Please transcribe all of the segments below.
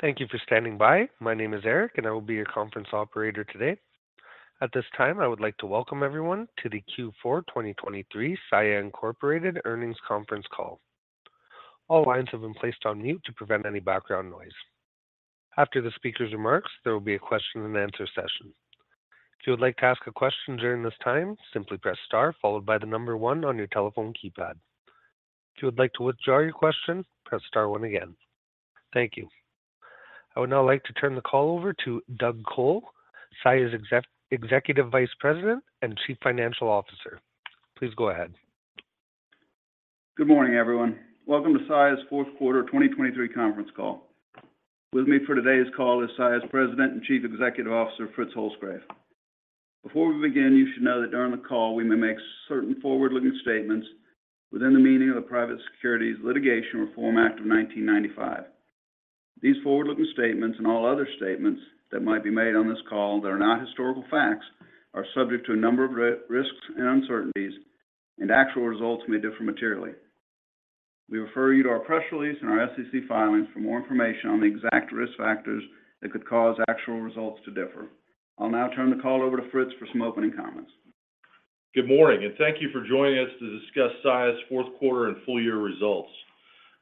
Thank you for standing by. My name is Eric, and I will be your conference operator today. At this time, I would like to welcome everyone to the Q4 2023 Saia Incorporated Earnings Conference Call. All lines have been placed on mute to prevent any background noise. After the speaker's remarks, there will be a question and answer session. If you would like to ask a question during this time, simply press star followed by the number one on your telephone keypad. If you would like to withdraw your question, press star one again. Thank you. I would now like to turn the call over to Doug Col, Saia's Executive Vice President and Chief Financial Officer. Please go ahead. Good morning, everyone. Welcome to Saia's fourth quarter 2023 conference call. With me for today's call is Saia's President and Chief Executive Officer, Fritz Holzgrefe. Before we begin, you should know that during the call we may make certain forward-looking statements within the meaning of the Private Securities Litigation Reform Act of 1995. These forward-looking statements and all other statements that might be made on this call that are not historical facts, are subject to a number of risks and uncertainties, and actual results may differ materially. We refer you to our press release and our SEC filings for more information on the exact risk factors that could cause actual results to differ. I'll now turn the call over to Fritz for some opening comments. Good morning, and thank you for joining us to discuss Saia's fourth quarter and full year results.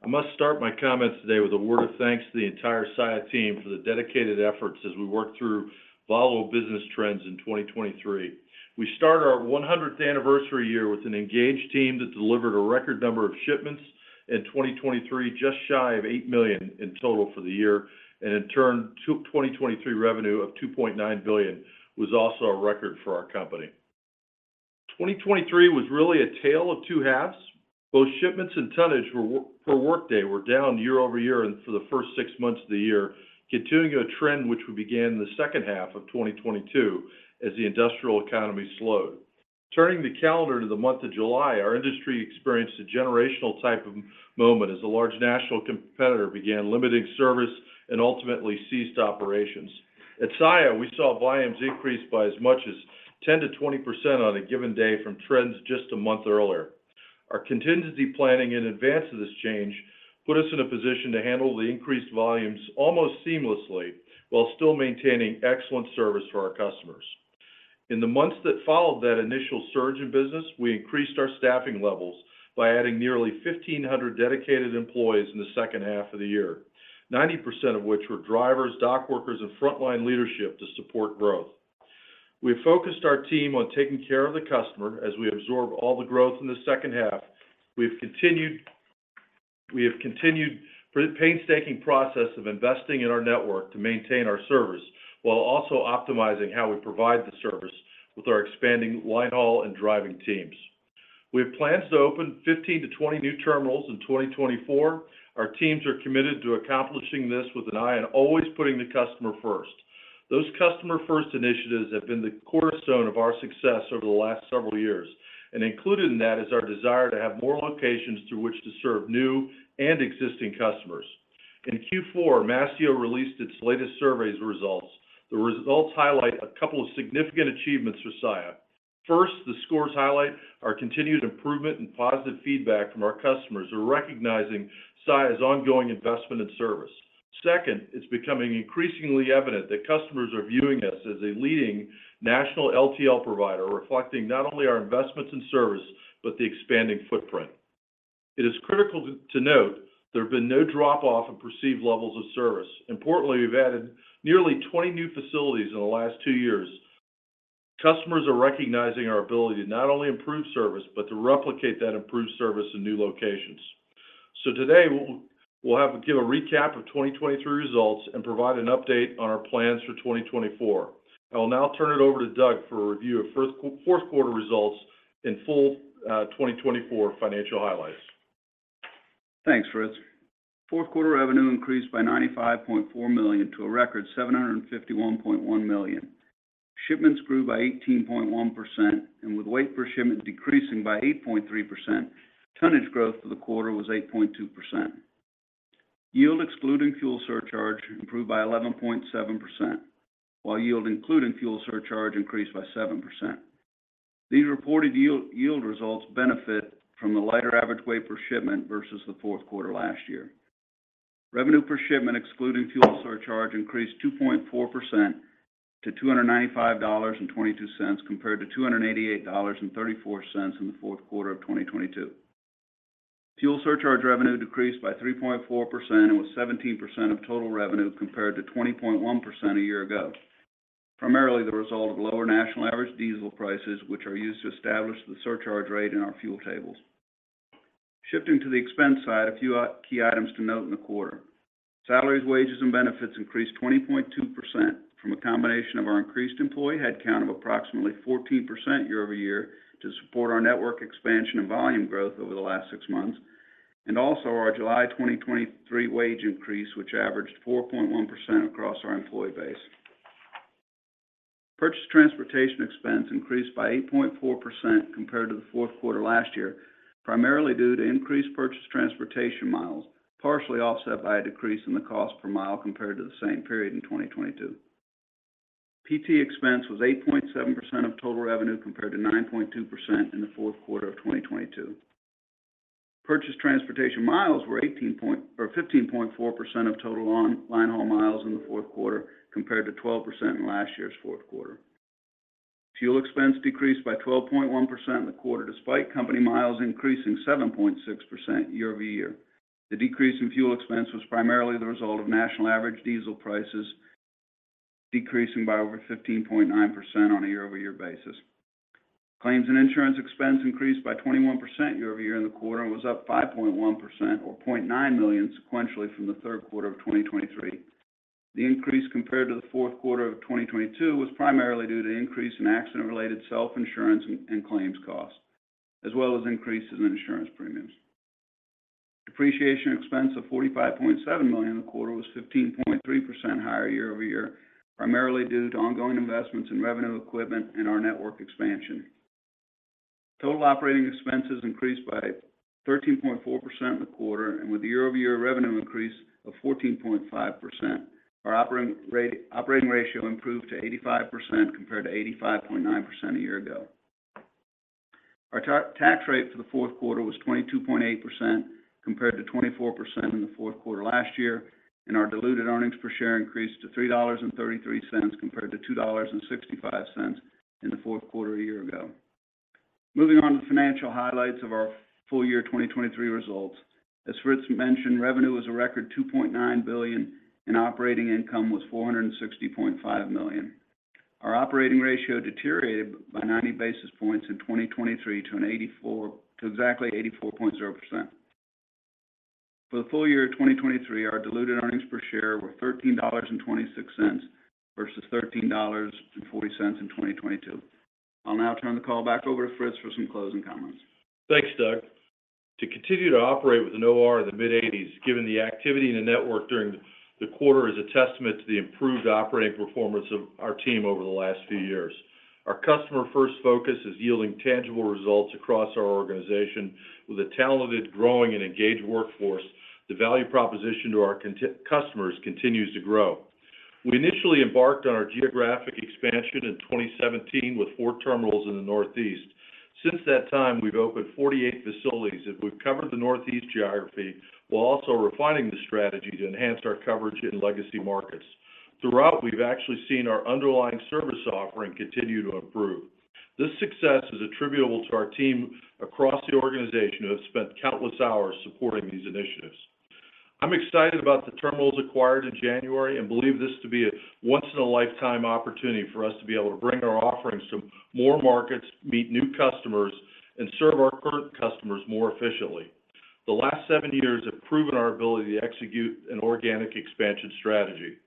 I must start my comments today with a word of thanks to the entire Saia team for the dedicated efforts as we work through volatile business trends in 2023. We started our 100th anniversary year with an engaged team that delivered a record number of shipments in 2023, just shy of 8 million in total for the year, and in turn, 2023 revenue of $2.9 billion was also a record for our company. 2023 was really a tale of two halves. Both shipments and tonnage per workday were down year over year and for the first six months of the year, continuing a trend which we began in the second half of 2022 as the industrial economy slowed. Turning the calendar to the month of July, our industry experienced a generational type of moment as a large national competitor began limiting service and ultimately ceased operations. At Saia, we saw volumes increase by as much as 10%-20% on a given day from trends just a month earlier. Our contingency planning in advance of this change put us in a position to handle the increased volumes almost seamlessly while still maintaining excellent service for our customers. In the months that followed that initial surge in business, we increased our staffing levels by adding nearly 1,500 dedicated employees in the second half of the year, 90% of which were drivers, dock workers, and frontline leadership to support growth. We focused our team on taking care of the customer as we absorb all the growth in the second half. We have continued the painstaking process of investing in our network to maintain our service, while also optimizing how we provide the service with our expanding linehaul and driving teams. We have plans to open 15-20 new terminals in 2024. Our teams are committed to accomplishing this with an eye on always putting the customer first. Those customer first initiatives have been the cornerstone of our success over the last several years, and included in that is our desire to have more locations through which to serve new and existing customers. In Q4, Mastio released its latest survey results. The results highlight a couple of significant achievements for Saia. First, the scores highlight our continued improvement and positive feedback from our customers are recognizing Saia's ongoing investment in service. Second, it's becoming increasingly evident that customers are viewing us as a leading national LTL provider, reflecting not only our investments in service, but the expanding footprint. It is critical to note there have been no drop-off in perceived levels of service. Importantly, we've added nearly 20 new facilities in the last two years. Customers are recognizing our ability to not only improve service, but to replicate that improved service in new locations. So today, we'll have to give a recap of 2023 results and provide an update on our plans for 2024. I will now turn it over to Doug for a review of fourth quarter results in full, 2024 financial highlights. Thanks, Fritz. Fourth quarter revenue increased by $95.4 million to a record $751.1 million. Shipments grew by 18.1%, and with weight per shipment decreasing by 8.3%, tonnage growth for the quarter was 8.2%. Yield, excluding fuel surcharge, improved by 11.7%, while yield, including fuel surcharge, increased by 7%. These reported yield results benefit from the lighter average weight per shipment versus the fourth quarter last year. Revenue per shipment, excluding fuel surcharge, increased 2.4% to $295.22, compared to $288.34 in the fourth quarter of 2022. Fuel surcharge revenue decreased by 3.4% and was 17% of total revenue, compared to 20.1% a year ago. Primarily, the result of lower national average diesel prices, which are used to establish the surcharge rate in our fuel tables. Shifting to the expense side, a few key items to note in the quarter. Salaries, wages, and benefits increased 20.2% from a combination of our increased employee headcount of approximately 14% year-over-year to support our network expansion and volume growth over the last six months, and also our July 2023 wage increase, which averaged 4.1% across our employee base. Purchased transportation expense increased by 8.4% compared to the fourth quarter last year, primarily due to increased purchased transportation miles, partially offset by a decrease in the cost per mile compared to the same period in 2022. PT expense was 8.7% of total revenue, compared to 9.2% in the fourth quarter of 2022. Purchased transportation miles were 15.4% of total linehaul miles in the fourth quarter, compared to 12% in last year's fourth quarter. Fuel expense decreased by 12.1% in the quarter, despite company miles increasing 7.6% year-over-year. The decrease in fuel expense was primarily the result of national average diesel prices decreasing by over 15.9% on a year-over-year basis. Claims and insurance expense increased by 21% year-over-year in the quarter, and was up 5.1% or $0.9 million sequentially from the third quarter of 2023. The increase compared to the fourth quarter of 2022 was primarily due to increase in accident-related self-insurance and claims costs, as well as increases in insurance premiums. Depreciation expense of $45.7 million in the quarter was 15.3% higher year-over-year, primarily due to ongoing investments in revenue equipment and our network expansion. Total operating expenses increased by 13.4% in the quarter, and with a year-over-year revenue increase of 14.5%, our operating ratio improved to 85%, compared to 85.9% a year ago. Our tax rate for the fourth quarter was 22.8%, compared to 24% in the fourth quarter last year, and our diluted earnings per share increased to $3.33, compared to $2.65 in the fourth quarter a year ago. Moving on to financial highlights of our full year 2023 results. As Fritz mentioned, revenue was a record $2.9 billion, and operating income was $460.5 million. Our operating ratio deteriorated by 90 basis points in 2023 to exactly 84.0%. For the full year of 2023, our diluted earnings per share were $13.26, versus $13.40 in 2022. I'll now turn the call back over to Fritz for some closing comments. Thanks, Doug. To continue to operate with an OR in the mid-80s, given the activity in the network during the quarter, is a testament to the improved operating performance of our team over the last few years. Our customer-first focus is yielding tangible results across our organization. With a talented, growing, and engaged workforce, the value proposition to our customers continues to grow. We initially embarked on our geographic expansion in 2017, with four terminals in the Northeast. Since that time, we've opened 48 facilities, and we've covered the Northeast geography while also refining the strategy to enhance our coverage in legacy markets. Throughout, we've actually seen our underlying service offering continue to improve. This success is attributable to our team across the organization, who have spent countless hours supporting these initiatives. I'm excited about the terminals acquired in January and believe this to be a once-in-a-lifetime opportunity for us to be able to bring our offerings to more markets, meet new customers, and serve our current customers more efficiently. The last seven years have proven our ability to execute an organic expansion strategy.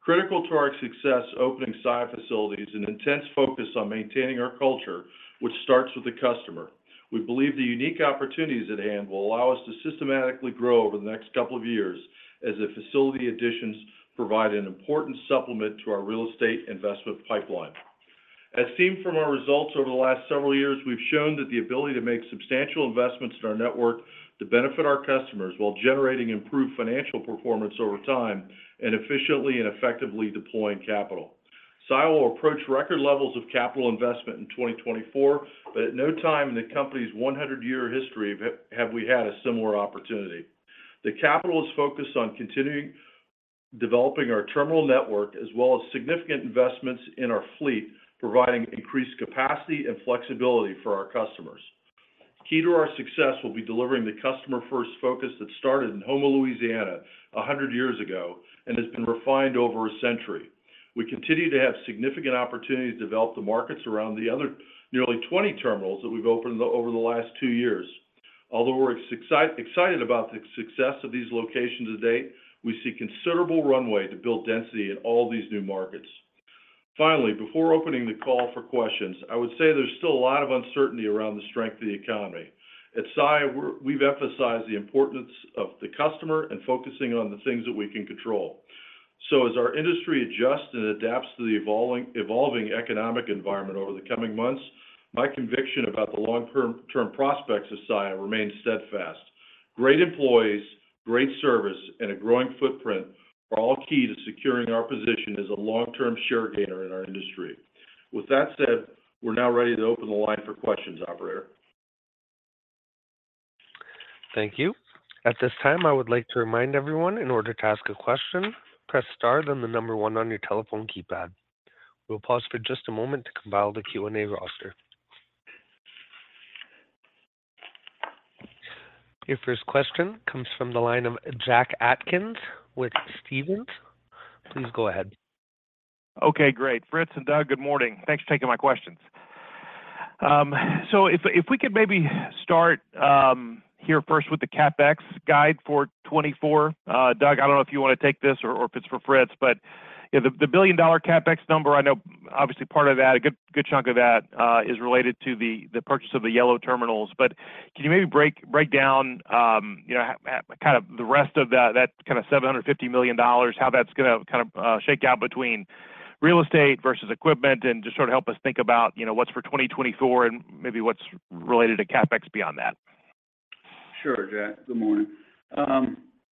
Critical to our success opening Saia facilities, an intense focus on maintaining our culture, which starts with the customer. We believe the unique opportunities at hand will allow us to systematically grow over the next couple of years, as the facility additions provide an important supplement to our real estate investment pipeline. As seen from our results over the last several years, we've shown that the ability to make substantial investments in our network to benefit our customers while generating improved financial performance over time and efficiently and effectively deploying capital. Saia will approach record levels of capital investment in 2024, but at no time in the company's 100-year history have we had a similar opportunity. The capital is focused on continuing developing our terminal network, as well as significant investments in our fleet, providing increased capacity and flexibility for our customers. Key to our success will be delivering the customer-first focus that started in Houma, Louisiana, 100 years ago and has been refined over a century. We continue to have significant opportunities to develop the markets around the other nearly 20 terminals that we've opened over the last two years. Although we're excited about the success of these locations to date, we see considerable runway to build density in all these new markets. Finally, before opening the call for questions, I would say there's still a lot of uncertainty around the strength of the economy. At Saia, we've emphasized the importance of the customer and focusing on the things that we can control. So as our industry adjusts and adapts to the evolving economic environment over the coming months, my conviction about the long-term prospects of Saia remains steadfast. Great employees, great service, and a growing footprint are all key to securing our position as a long-term share gainer in our industry. With that said, we're now ready to open the line for questions, operator. Thank you. At this time, I would like to remind everyone, in order to ask a question, press star, then the number one on your telephone keypad. We'll pause for just a moment to compile the Q&A roster. Your first question comes from the line of Jack Atkins with Stephens. Please go ahead. Okay, great. Fritz and Doug, good morning. Thanks for taking my questions. So if we could maybe start here first with the CapEx guide for 2024. Doug, I don't know if you want to take this or if it's for Fritz, but you know, the $1 billion CapEx number, I know obviously part of that, a good chunk of that, is related to the purchase of the Yellow terminals. But can you maybe break down you know, kind of the rest of that, that kind of $750 million, how that's going to kind of shake out between real estate versus equipment? And just sort of help us think about you know, what's for 2024 and maybe what's related to CapEx beyond that. ... Sure, Jack. Good morning.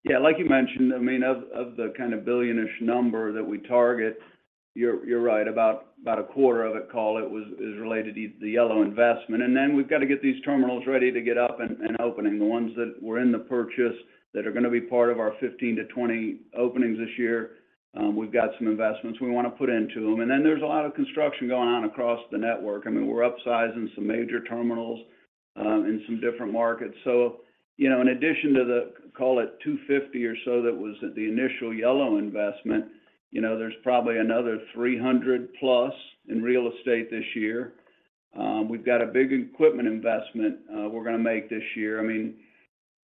Yeah, like you mentioned, I mean, of the kind of $1 billion-ish number that we target, you're right, about a quarter of it, call it, is related to the Yellow investment. And then we've got to get these terminals ready to get up and opening. The ones that were in the purchase that are going to be part of our 15-20 openings this year, we've got some investments we want to put into them. And then there's a lot of construction going on across the network. I mean, we're upsizing some major terminals in some different markets. So, you know, in addition to the, call it $250 million or so, that was at the initial Yellow investment, you know, there's probably another $300+ million in real estate this year. We've got a big equipment investment, we're going to make this year. I mean,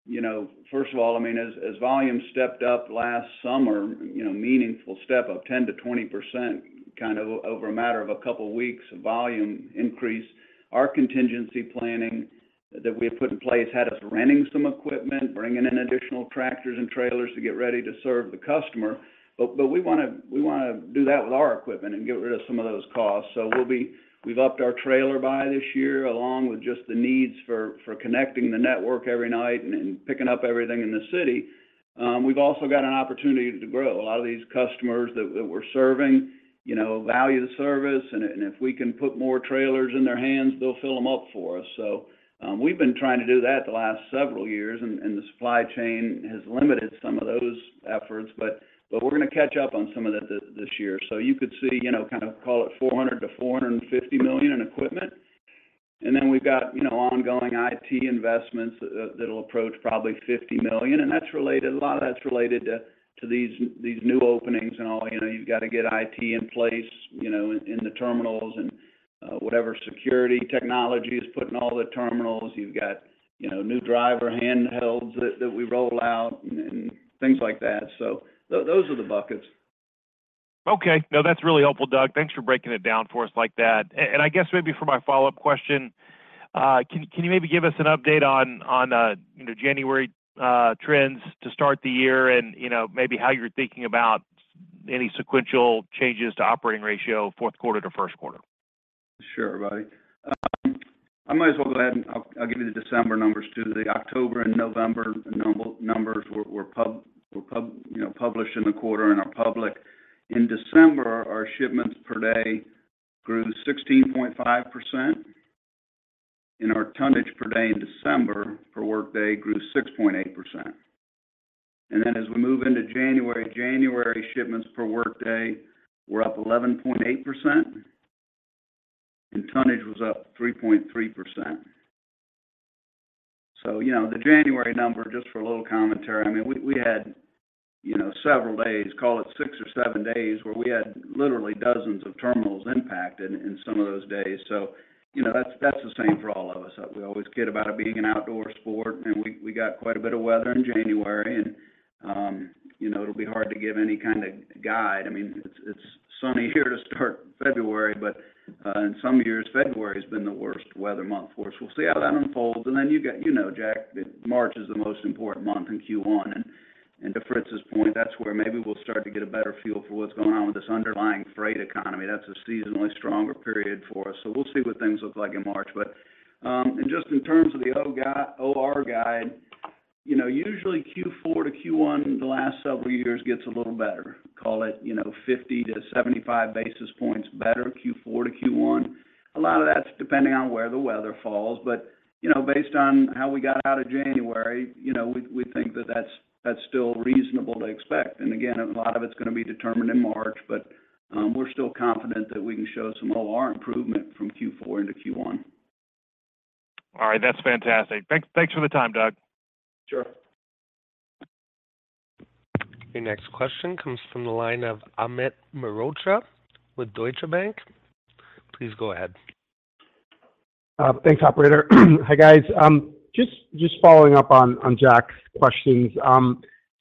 you know, first of all, I mean, as volume stepped up last summer, you know, meaningful step of 10%-20%, kind of over a matter of a couple of weeks of volume increase, our contingency planning that we had put in place had us renting some equipment, bringing in additional tractors and trailers to get ready to serve the customer. But we want to do that with our equipment and get rid of some of those costs. So we've upped our trailer buy this year, along with just the needs for connecting the network every night and picking up everything in the city. We've also got an opportunity to grow. A lot of these customers that we're serving, you know, value the service, and if we can put more trailers in their hands, they'll fill them up for us. So, we've been trying to do that the last several years, and the supply chain has limited some of those efforts, but we're going to catch up on some of that this year. So you could see, you know, kind of, call it $400 million-$450 million in equipment. And then we've got, you know, ongoing IT investments that'll approach probably $50 million, and that's related, a lot of that's related to these new openings and all. You know, you've got to get IT in place, you know, in the terminals and whatever security technology is put in all the terminals. You've got, you know, new driver handhelds that we roll out and things like that. So those are the buckets. Okay. No, that's really helpful, Doug. Thanks for breaking it down for us like that. And I guess maybe for my follow-up question, can you maybe give us an update on, you know, January trends to start the year and, you know, maybe how you're thinking about any sequential changes to operating ratio, fourth quarter to first quarter? Sure, Buddy. I might as well go ahead, and I'll give you the December numbers, too. The October and November numbers were, you know, published in the quarter and are public. In December, our shipments per day grew 16.5%, and our tonnage per day in December for workday grew 6.8%. And then as we move into January, January shipments per workday were up 11.8%, and tonnage was up 3.3%. So, you know, the January number, just for a little commentary, I mean, we had, you know, several days, call it six or seven days, where we had literally dozens of terminals impacted in some of those days. So, you know, that's the same for all of us. We always kid about it being an outdoor sport, and we, we got quite a bit of weather in January, and, you know, it'll be hard to give any kind of guide. I mean, it's, it's sunny here to start February, but, in some years, February has been the worst weather month for us. We'll see how that unfolds. And then you got, you know, Jack, March is the most important month in Q1. And, and to Fritz's point, that's where maybe we'll start to get a better feel for what's going on with this underlying freight economy. That's a seasonally stronger period for us. So we'll see what things look like in March. But, and just in terms of the OR guide, you know, usually Q4-Q1, the last several years gets a little better. Call it, you know, 50-75 basis points better, Q4-Q1. A lot of that's depending on where the weather falls, but, you know, based on how we got out of January, you know, we think that that's still reasonable to expect. And again, a lot of it's going to be determined in March, but, we're still confident that we can show some OR improvement from Q4-Q1. All right. That's fantastic. Thanks, thanks for the time, Doug. Sure. The next question comes from the line of Amit Mehrotra with Deutsche Bank. Please go ahead. Thanks, operator. Hi, guys. Just, just following up on, on Jack's questions.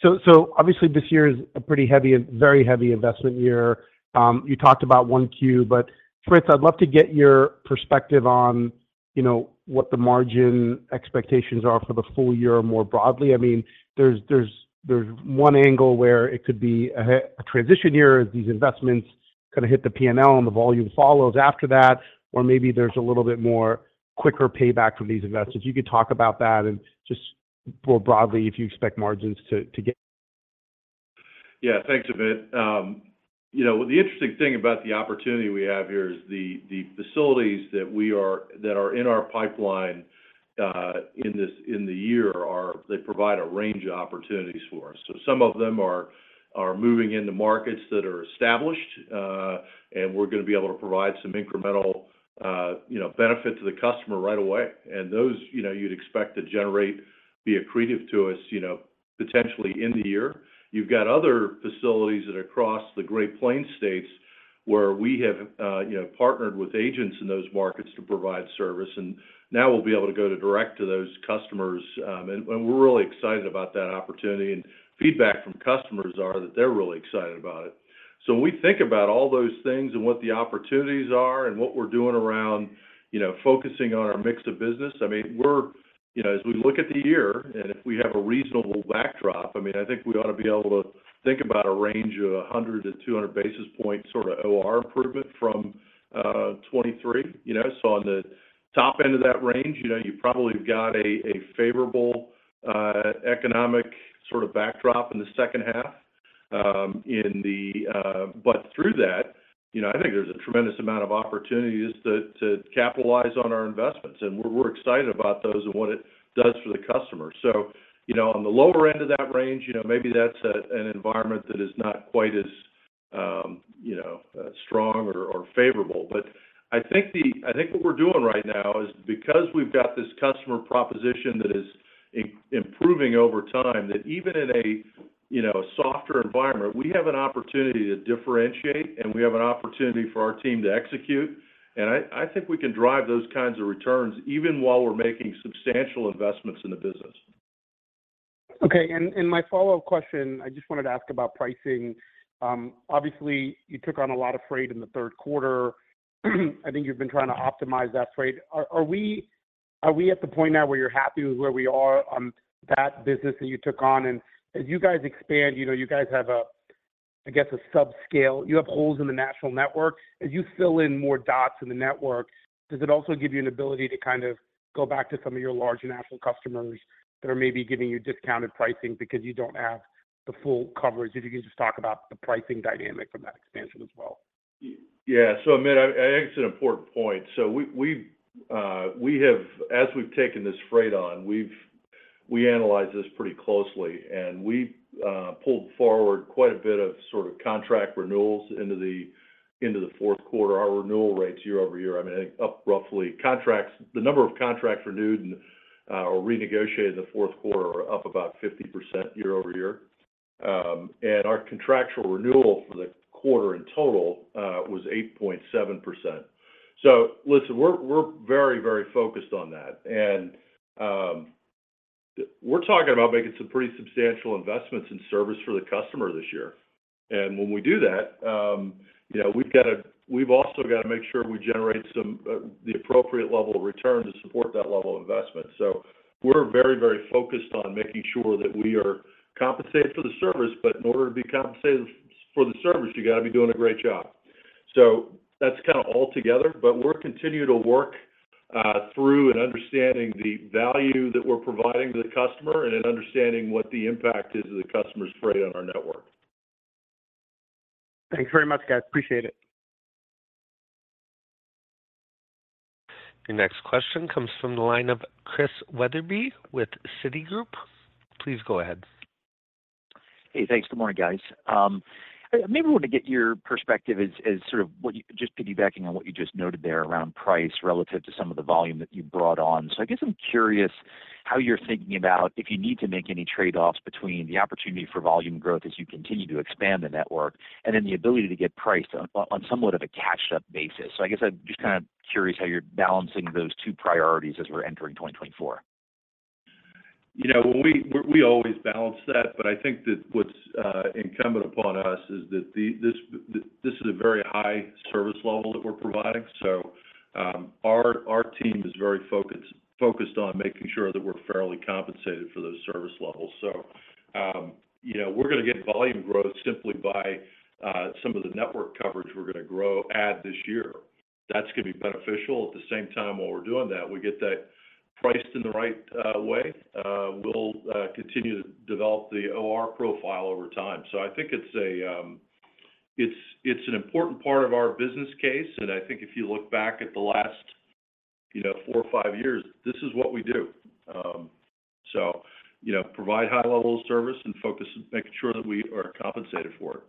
So, so obviously, this year is a pretty heavy, a very heavy investment year. You talked about 1Q, but Fritz, I'd love to get your perspective on, you know, what the margin expectations are for the full year more broadly. I mean, there's, there's, there's one angle where it could be a transition year, these investments kind of hit the P&L, and the volume follows after that, or maybe there's a little bit more quicker payback from these investments. You could talk about that and just more broadly, if you expect margins to, to get- Yeah, thanks, Amit. You know, the interesting thing about the opportunity we have here is the facilities that are in our pipeline in this, in the year are. They provide a range of opportunities for us. So some of them are moving into markets that are established, and we're going to be able to provide some incremental, you know, benefit to the customer right away. And those, you know, you'd expect to generate, be accretive to us, you know, potentially in the year. You've got other facilities that are across the Great Plains states, where we have, you know, partnered with agents in those markets to provide service, and now we'll be able to go to direct to those customers. And we're really excited about that opportunity, and feedback from customers are that they're really excited about it. So when we think about all those things and what the opportunities are and what we're doing around, you know, focusing on our mix of business, I mean, we're you know, as we look at the year, and if we have a reasonable backdrop, I mean, I think we ought to be able to think about a range of 100-200 basis points, sort of OR improvement from 2023. You know, so on the top end of that range, you know, you probably have got a favorable economic sort of backdrop in the second half, but through that, you know, I think there's a tremendous amount of opportunities to capitalize on our investments, and we're excited about those and what it does for the customer. So, you know, on the lower end of that range, you know, maybe that's an environment that is not quite as, you know, strong or favorable. But I think what we're doing right now is because we've got this customer proposition that is improving over time, that even in a, you know, a softer environment, we have an opportunity to differentiate, and we have an opportunity for our team to execute. And I think we can drive those kinds of returns even while we're making substantial investments in the business. Okay. And my follow-up question, I just wanted to ask about pricing. Obviously, you took on a lot of freight in the third quarter. I think you've been trying to optimize that freight. Are we at the point now where you're happy with where we are on that business that you took on? And as you guys expand, you know, you guys have a, I guess, a subscale... You have holes in the national network. As you fill in more dots in the network, does it also give you an ability to kind of go back to some of your larger national customers that are maybe giving you discounted pricing because you don't have the full coverage? If you can just talk about the pricing dynamic from that expansion as well. Yeah. So Amit, I think it's an important point. So we have—as we've taken this freight on, we've analyzed this pretty closely, and we've pulled forward quite a bit of sort of contract renewals into the, into the fourth quarter. Our renewal rates year-over-year, I mean, are up roughly contracts—the number of contracts renewed and, or renegotiated in the fourth quarter are up about 50% year-over-year. And our contractual renewal for the quarter in total was 8.7%. So listen, we're very, very focused on that, and we're talking about making some pretty substantial investments in service for the customer this year. When we do that, you know, we've also got to make sure we generate some, the appropriate level of return to support that level of investment. So we're very, very focused on making sure that we are compensated for the service, but in order to be compensated for the service, you got to be doing a great job. So that's kind of all together, but we'll continue to work through and understanding the value that we're providing to the customer and then understanding what the impact is of the customer's freight on our network. Thanks very much, guys. Appreciate it. Your next question comes from the line of Chris Wetherbee with Citigroup. Please go ahead. Hey, thanks. Good morning, guys. I maybe want to get your perspective as sort of what you just piggybacking on what you just noted there around price relative to some of the volume that you brought on. So I guess I'm curious how you're thinking about if you need to make any trade-offs between the opportunity for volume growth as you continue to expand the network, and then the ability to get price on somewhat of a caught up basis. So I guess I'm just kind of curious how you're balancing those two priorities as we're entering 2024. You know, we always balance that, but I think that what's incumbent upon us is that this is a very high service level that we're providing. So, our team is very focused on making sure that we're fairly compensated for those service levels. So, you know, we're going to get volume growth simply by some of the network coverage we're going to add this year. That's going to be beneficial. At the same time, while we're doing that, we get that priced in the right way, we'll continue to develop the OR profile over time. So I think it's an important part of our business case, and I think if you look back at the last, you know, four or five years, this is what we do. So, you know, provide high level of service and focus on making sure that we are compensated for it.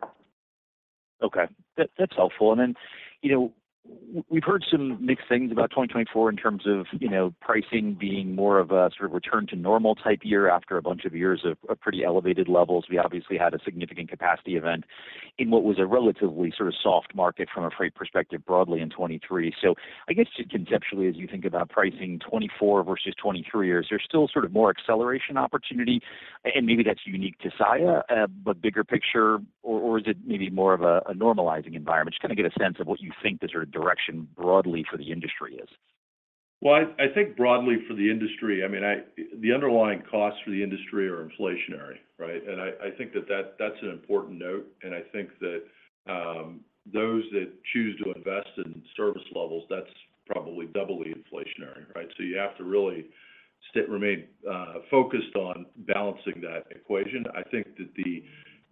Okay. That's helpful. And then, you know, we've heard some mixed things about 2024 in terms of, you know, pricing being more of a sort of return to normal type year after a bunch of years of pretty elevated levels. We obviously had a significant capacity event in what was a relatively sort of soft market from a freight perspective, broadly in 2023. So I guess just conceptually, as you think about pricing 2024 versus 2023, is there still sort of more acceleration opportunity, and maybe that's unique to Saia, but bigger picture, or is it maybe more of a normalizing environment? Just kind of get a sense of what you think the sort of direction broadly for the industry is. Well, I think broadly for the industry, I mean, the underlying costs for the industry are inflationary, right? And I think that, that's an important note, and I think that, those that choose to invest in service levels, that's probably doubly inflationary, right? So you have to really remain focused on balancing that equation. I think that the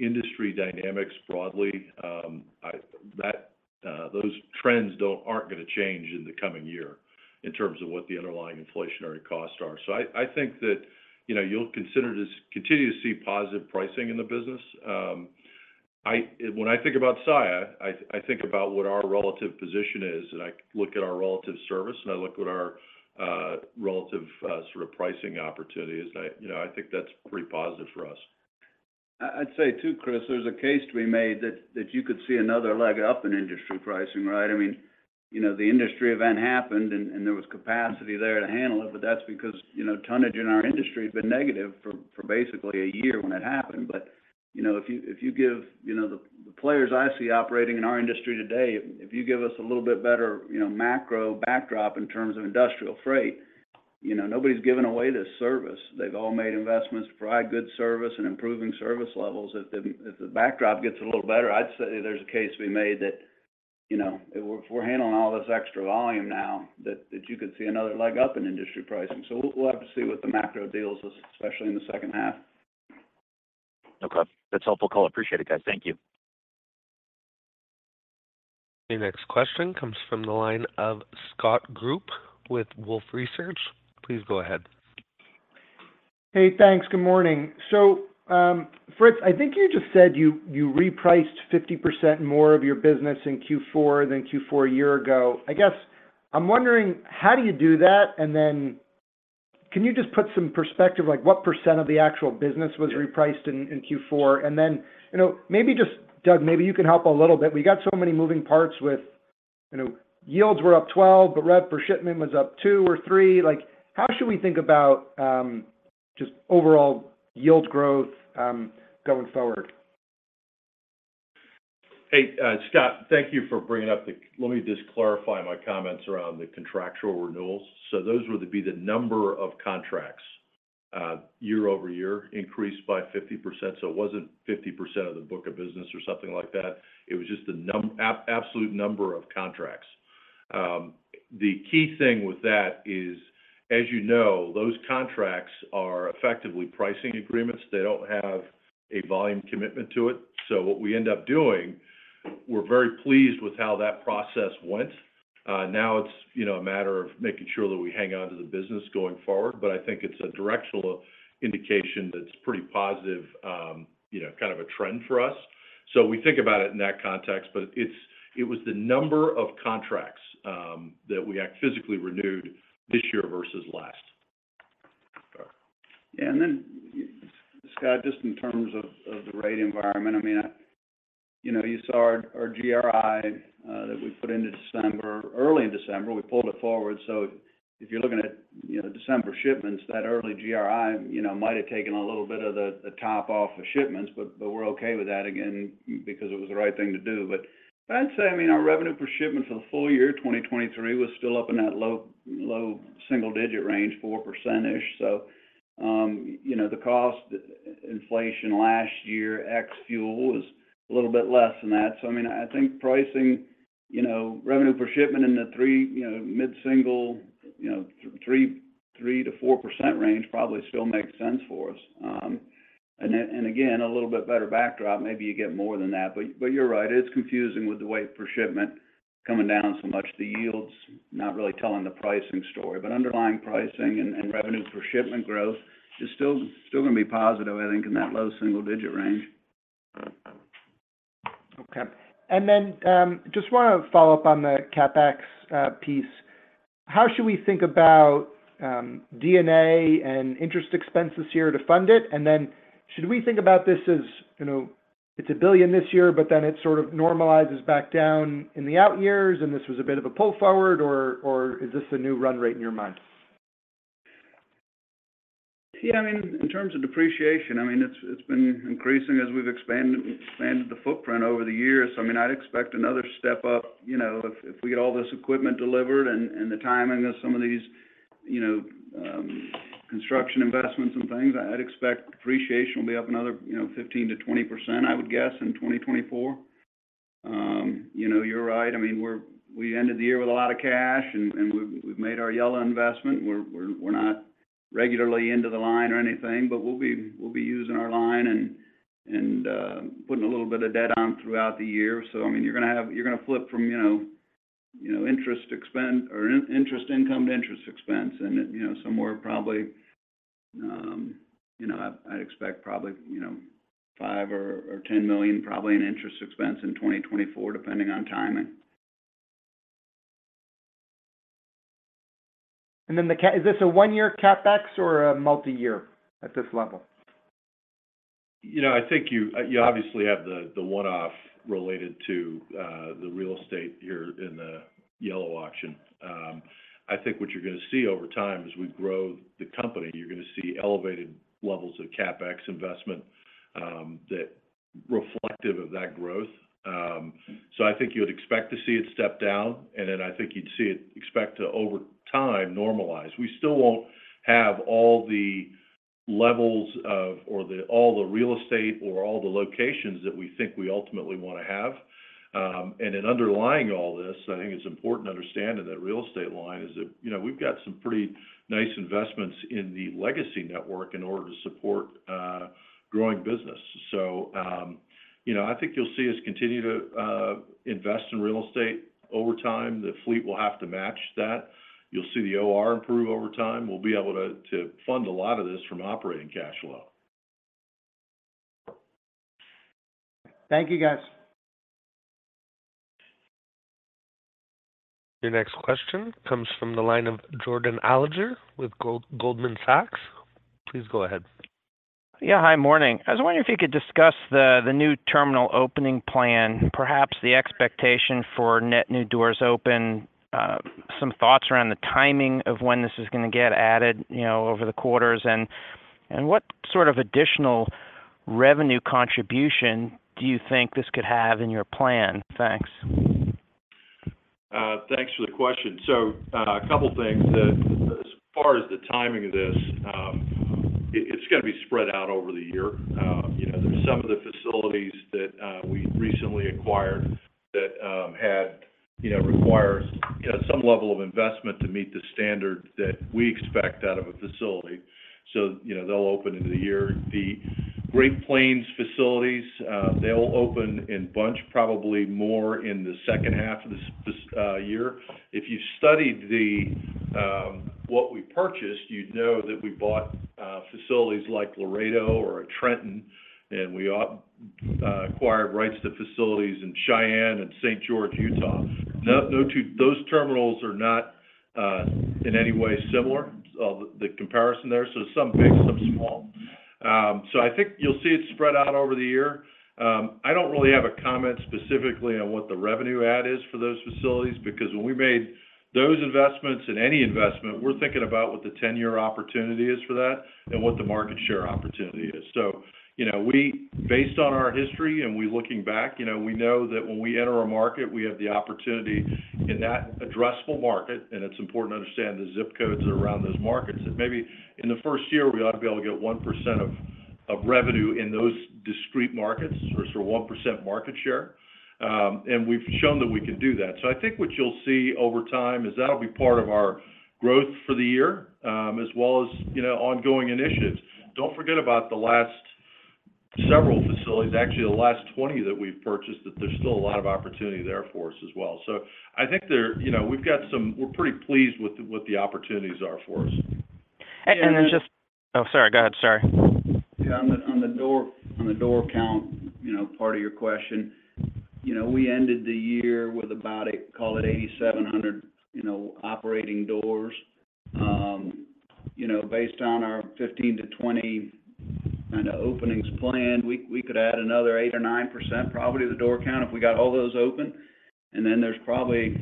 industry dynamics broadly, that those trends aren't going to change in the coming year in terms of what the underlying inflationary costs are. So I think that, you know, you'll consider to continue to see positive pricing in the business. When I think about Saia, I think about what our relative position is, and I look at our relative service, and I look at our relative sort of pricing opportunities. You know, I think that's pretty positive for us. I'd say, too, Chris, there's a case to be made that you could see another leg up in industry pricing, right? I mean, you know, the industry event happened, and there was capacity there to handle it, but that's because, you know, tonnage in our industry had been negative for basically a year when it happened. But, you know, if you give the players I see operating in our industry today a little bit better macro backdrop in terms of industrial freight, you know, nobody's giving away this service. They've all made investments to provide good service and improving service levels. If the backdrop gets a little better, I'd say there's a case to be made that-... You know, if we're handling all this extra volume now, that you could see another leg up in industry pricing. So we'll have to see what the macro deals, especially in the second half. No problem. That's a helpful call. Appreciate it, guys. Thank you. The next question comes from the line of Scott Group with Wolfe Research. Please go ahead. Hey, thanks. Good morning. So, Fritz, I think you just said you, you repriced 50% more of your business in Q4 than Q4 a year ago. I guess, I'm wondering, how do you do that? And then can you just put some perspective, like, what percent of the actual business was repriced in, in Q4? And then, you know, maybe just, Doug, maybe you can help a little bit. We got so many moving parts with, you know, yields were up 12, but rev per shipment was up 2 or 3. Like, how should we think about, just overall yield growth, going forward? Hey, Scott, thank you for bringing up the... Let me just clarify my comments around the contractual renewals. So those were to be the number of contracts, year-over-year, increased by 50%. So it wasn't 50% of the book of business or something like that. It was just the absolute number of contracts. The key thing with that is, as you know, those contracts are effectively pricing agreements. They don't have a volume commitment to it. So what we end up doing, we're very pleased with how that process went. Now it's, you know, a matter of making sure that we hang on to the business going forward, but I think it's a directional indication that's pretty positive, you know, kind of a trend for us. So we think about it in that context, but it was the number of contracts that we physically renewed this year versus last. Yeah, and then, Scott, just in terms of, of the rate environment, I mean, you know, you saw our, our GRI, that we put into December, early in December, we pulled it forward. So if you're looking at, you know, December shipments, that early GRI, you know, might have taken a little bit of the, the top off of shipments, but, but we're okay with that, again, because it was the right thing to do. But I'd say, I mean, our revenue per shipment for the full year, 2023, was still up in that low, low single digit range, 4%ish. So, you know, the cost inflation last year, ex fuel, was a little bit less than that. So I mean, I think pricing, you know, revenue per shipment in the three, you know, mid-single, you know, 3%-4% range probably still makes sense for us. And then, again, a little bit better backdrop, maybe you get more than that. But you're right, it's confusing with the weight per shipment coming down so much. The yield's not really telling the pricing story, but underlying pricing and revenue per shipment growth is still gonna be positive, I think, in that low single-digit range. Okay. Then, just want to follow up on the CapEx piece. How should we think about D&A and interest expense this year to fund it? And then should we think about this as, you know, it's $1 billion this year, but then it sort of normalizes back down in the out years, and this was a bit of a pull forward, or is this a new run rate in your mind? Yeah, I mean, in terms of depreciation, I mean, it's, it's been increasing as we've expanded, expanded the footprint over the years. So, I mean, I'd expect another step up, you know, if, if we get all this equipment delivered and, and the timing of some of these, you know, construction investments and things, I'd expect depreciation will be up another, you know, 15%-20%, I would guess, in 2024. You know, you're right. I mean, we're- we ended the year with a lot of cash, and, and we've, we've made our Yellow investment. We're, we're, we're not regularly into the line or anything, but we'll be, we'll be using our line and, and, putting a little bit of debt on throughout the year. So, I mean, you're gonna have—you're gonna flip from, you know, you know, interest expense or interest income to interest expense, and, you know, somewhere probably, you know, I'd expect probably, you know, $5 or $10 million, probably in interest expense in 2024, depending on timing. And then is this a one-year CapEx or a multi-year at this level? You know, I think you, you obviously have the, the one-off related to, the real estate here in the Yellow auction. I think what you're gonna see over time, as we grow the company, you're gonna see elevated levels of CapEx investment, that reflective of that growth. So I think you would expect to see it step down, and then I think you'd see it expect to, over time, normalize. We still won't have all the levels of or the all the real estate or all the locations that we think we ultimately want to have. And then underlying all this, I think it's important to understand that that real estate line is that, you know, we've got some pretty nice investments in the legacy network in order to support, growing business. So, you know, I think you'll see us continue to invest in real estate over time. The fleet will have to match that. You'll see the OR improve over time. We'll be able to fund a lot of this from operating cash flow. Thank you, guys. Your next question comes from the line of Jordan Alliger with Goldman Sachs. Please go ahead. Yeah, hi, morning. I was wondering if you could discuss the new terminal opening plan, perhaps the expectation for net new doors open, some thoughts around the timing of when this is gonna get added, you know, over the quarters. And what sort of additional revenue contribution do you think this could have in your plan? Thanks.... Thanks for the question. So, a couple things that, as far as the timing of this, it, it's gonna be spread out over the year. You know, there's some of the facilities that we recently acquired that had, you know, require, you know, some level of investment to meet the standard that we expect out of a facility. So, you know, they'll open in the year. The Great Plains facilities, they'll open in bunch, probably more in the second half of this year. If you studied the what we purchased, you'd know that we bought facilities like Laredo or Trenton, and we acquired rights to facilities in Cheyenne and St. George, Utah. No two. Those terminals are not in any way similar, the comparison there, so some big, some small. So I think you'll see it spread out over the year. I don't really have a comment specifically on what the revenue add is for those facilities, because when we made those investments and any investment, we're thinking about what the 10-year opportunity is for that and what the market share opportunity is. So, you know, we, based on our history and we looking back, you know, we know that when we enter a market, we have the opportunity in that addressable market, and it's important to understand the zip codes around those markets, that maybe in the first year, we ought to be able to get 1% of revenue in those discrete markets, or 1% market share. And we've shown that we can do that. So I think what you'll see over time is that'll be part of our growth for the year, as well as, you know, ongoing initiatives. Don't forget about the last several facilities, actually, the last 20 that we've purchased, that there's still a lot of opportunity there for us as well. So I think... You know, we've got some-- we're pretty pleased with, with what the opportunities are for us. Oh, sorry, go ahead, sorry. Yeah, on the door count, you know, part of your question, you know, we ended the year with about, call it 8,700, you know, operating doors. You know, based on our 15-20 kind of openings planned, we could add another 8%-9% probably to the door count, if we got all those open. And then there's probably,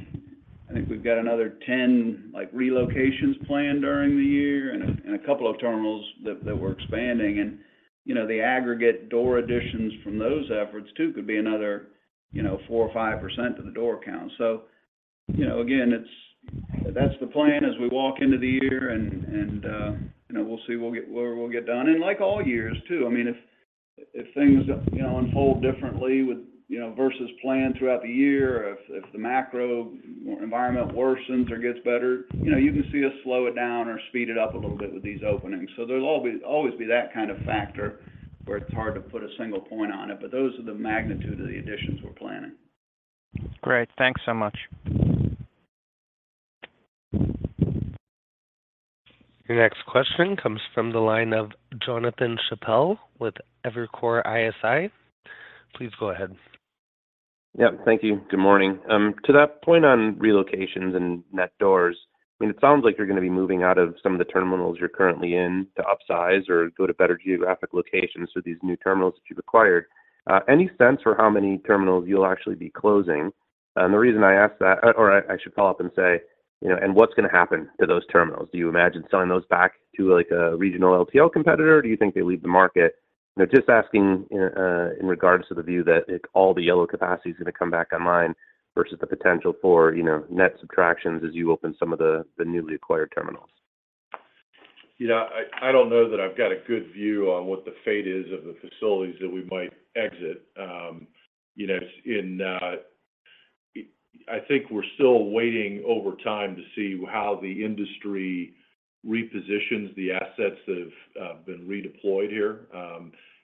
I think we've got another 10, like, relocations planned during the year and a couple of terminals that we're expanding. And, you know, the aggregate door additions from those efforts, too, could be another, you know, 4%-5% to the door count. So, you know, again, it's, that's the plan as we walk into the year and, you know, we'll see what we'll get done. And like all years, too, I mean, if things, you know, unfold differently with, you know, versus plan throughout the year, if the macro environment worsens or gets better, you know, you can see us slow it down or speed it up a little bit with these openings. So there'll always be that kind of factor where it's hard to put a single point on it, but those are the magnitude of the additions we're planning. Great. Thanks so much. Your next question comes from the line of Jonathan Chappell with Evercore ISI. Please go ahead. Yeah, thank you. Good morning. To that point on relocations and net doors, I mean, it sounds like you're going to be moving out of some of the terminals you're currently in to upsize or go to better geographic locations with these new terminals that you've acquired. Any sense for how many terminals you'll actually be closing? And the reason I ask that, or, I should follow up and say, you know, and what's going to happen to those terminals? Do you imagine selling those back to, like, a regional LTL competitor, or do you think they leave the market? Just asking, in regards to the view that if all the yellow capacity is going to come back online versus the potential for, you know, net subtractions as you open some of the newly acquired terminals. You know, I don't know that I've got a good view on what the fate is of the facilities that we might exit. You know, in, I think we're still waiting over time to see how the industry repositions the assets that have been redeployed here.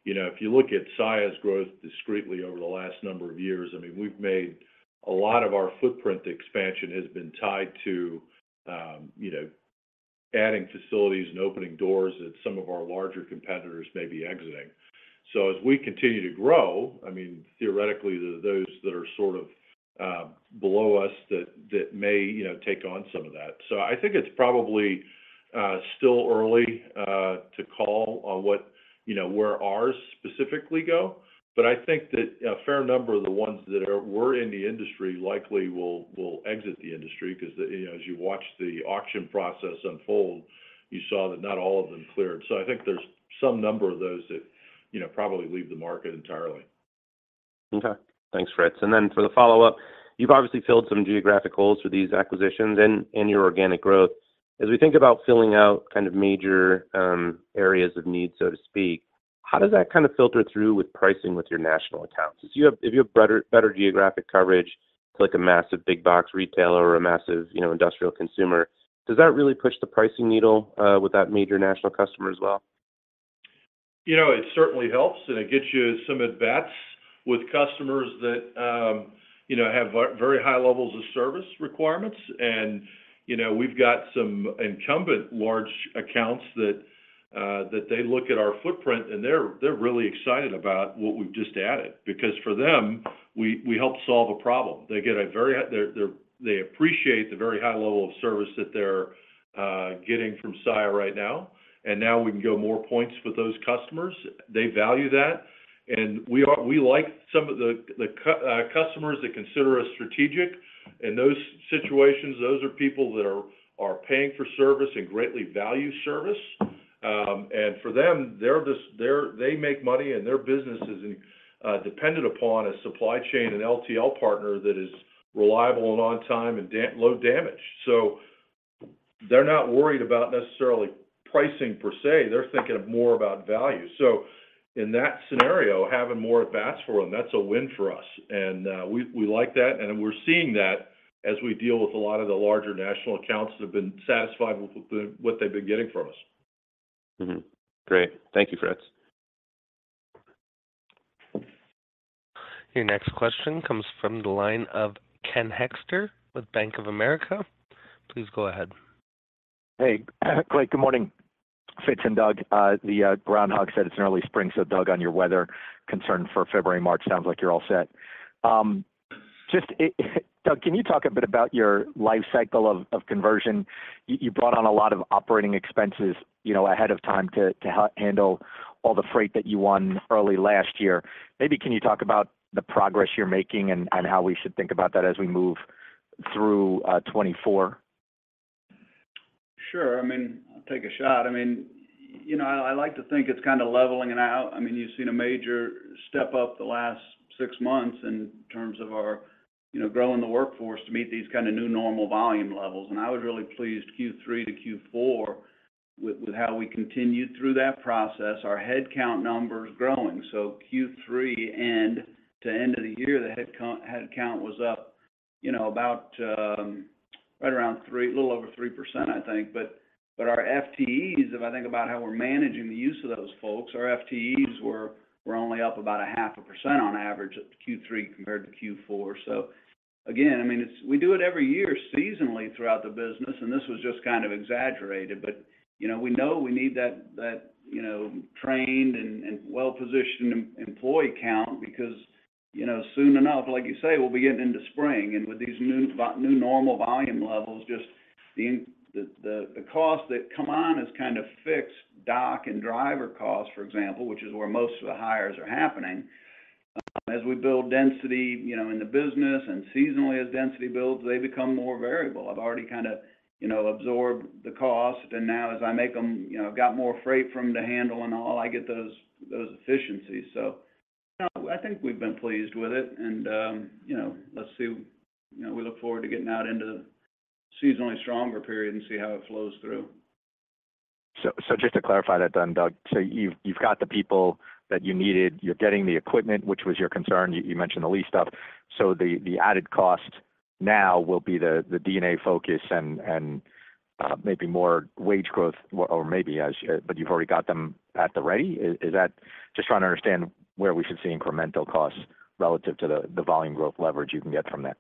You know, if you look at Saia's growth discreetly over the last number of years, I mean, we've made a lot of our footprint expansion has been tied to, you know, adding facilities and opening doors that some of our larger competitors may be exiting. So as we continue to grow, I mean, theoretically, those that are sort of below us, that may, you know, take on some of that. So I think it's probably still early to call on what, you know, where ours specifically go, but I think that a fair number of the ones that are, were in the industry likely will, will exit the industry because the, you know, as you watch the auction process unfold, you saw that not all of them cleared. So I think there's some number of those that, you know, probably leave the market entirely. Okay. Thanks, Fritz. And then for the follow-up, you've obviously filled some geographic holes for these acquisitions and your organic growth. As we think about filling out kind of major areas of need, so to speak, how does that kind of filter through with pricing with your national accounts? If you have better geographic coverage, like a massive big box retailer or a massive, you know, industrial consumer, does that really push the pricing needle with that major national customer as well? You know, it certainly helps, and it gets you some advantages with customers that, you know, have very high levels of service requirements. And, you know, we've got some incumbent large accounts that they look at our footprint, and they're really excited about what we've just added, because for them, we help solve a problem. They get a very high level of service that they appreciate from Saia right now, and now we can go more points with those customers. They value that, and we like some of the customers that consider us strategic. In those situations, those are people that are paying for service and greatly value service. And for them, they're just they make money, and their business is dependent upon a supply chain and LTL partner that is reliable and on time and damn low damage. So they're not worried about necessarily pricing per se, they're thinking of more about value. So in that scenario, having more at bats for them, that's a win for us, and we like that, and we're seeing that as we deal with a lot of the larger national accounts that have been satisfied with what they've been getting from us. Mm-hmm. Great. Thank you, Fritz. Your next question comes from the line of Ken Hoexter with Bank of America. Please go ahead. Hey, good morning, Fritz and Doug. The groundhog said it's an early spring, so Doug, on your weather concern for February, March, sounds like you're all set. Just, Doug, can you talk a bit about your life cycle of conversion? You brought on a lot of operating expenses, you know, ahead of time to handle all the freight that you won early last year. Maybe can you talk about the progress you're making and how we should think about that as we move through 2024? Sure. I mean, I'll take a shot. I mean, you know, I like to think it's kind of leveling it out. I mean, you've seen a major step up the last six months in terms of our, you know, growing the workforce to meet these kind of new normal volume levels. And I was really pleased Q3 to Q4 with, with how we continued through that process, our head count numbers growing. So Q3 and to end of the year, the head count, head count was up, you know, about right around 3%... a little over 3%, I think. But, but our FTEs, if I think about how we're managing the use of those folks, our FTEs were- were only up about 0.5% on average at Q3 compared to Q4. So again, I mean, it's we do it every year seasonally throughout the business, and this was just kind of exaggerated, but, you know, we know we need that, you know, trained and well-positioned employee count because, you know, soon enough, like you say, we'll be getting into spring. And with these new volume new normal volume levels, just the costs that come on as kind of fixed dock and driver costs, for example, which is where most of the hires are happening, as we build density, you know, in the business and seasonally as density builds, they become more variable. I've already kind of, you know, absorbed the cost, and now as I make them, you know, I've got more freight for them to handle and all, I get those efficiencies. So, you know, I think we've been pleased with it, and, you know, you know, we look forward to getting out into seasonally stronger period and see how it flows through. Just to clarify that then, Doug, you've got the people that you needed, you're getting the equipment, which was your concern. You mentioned the lease stuff. So the added cost now will be the D&A focus and maybe more wage growth or maybe, but you've already got them at the ready. Is that-- Just trying to understand where we should see incremental costs relative to the volume growth leverage you can get from that.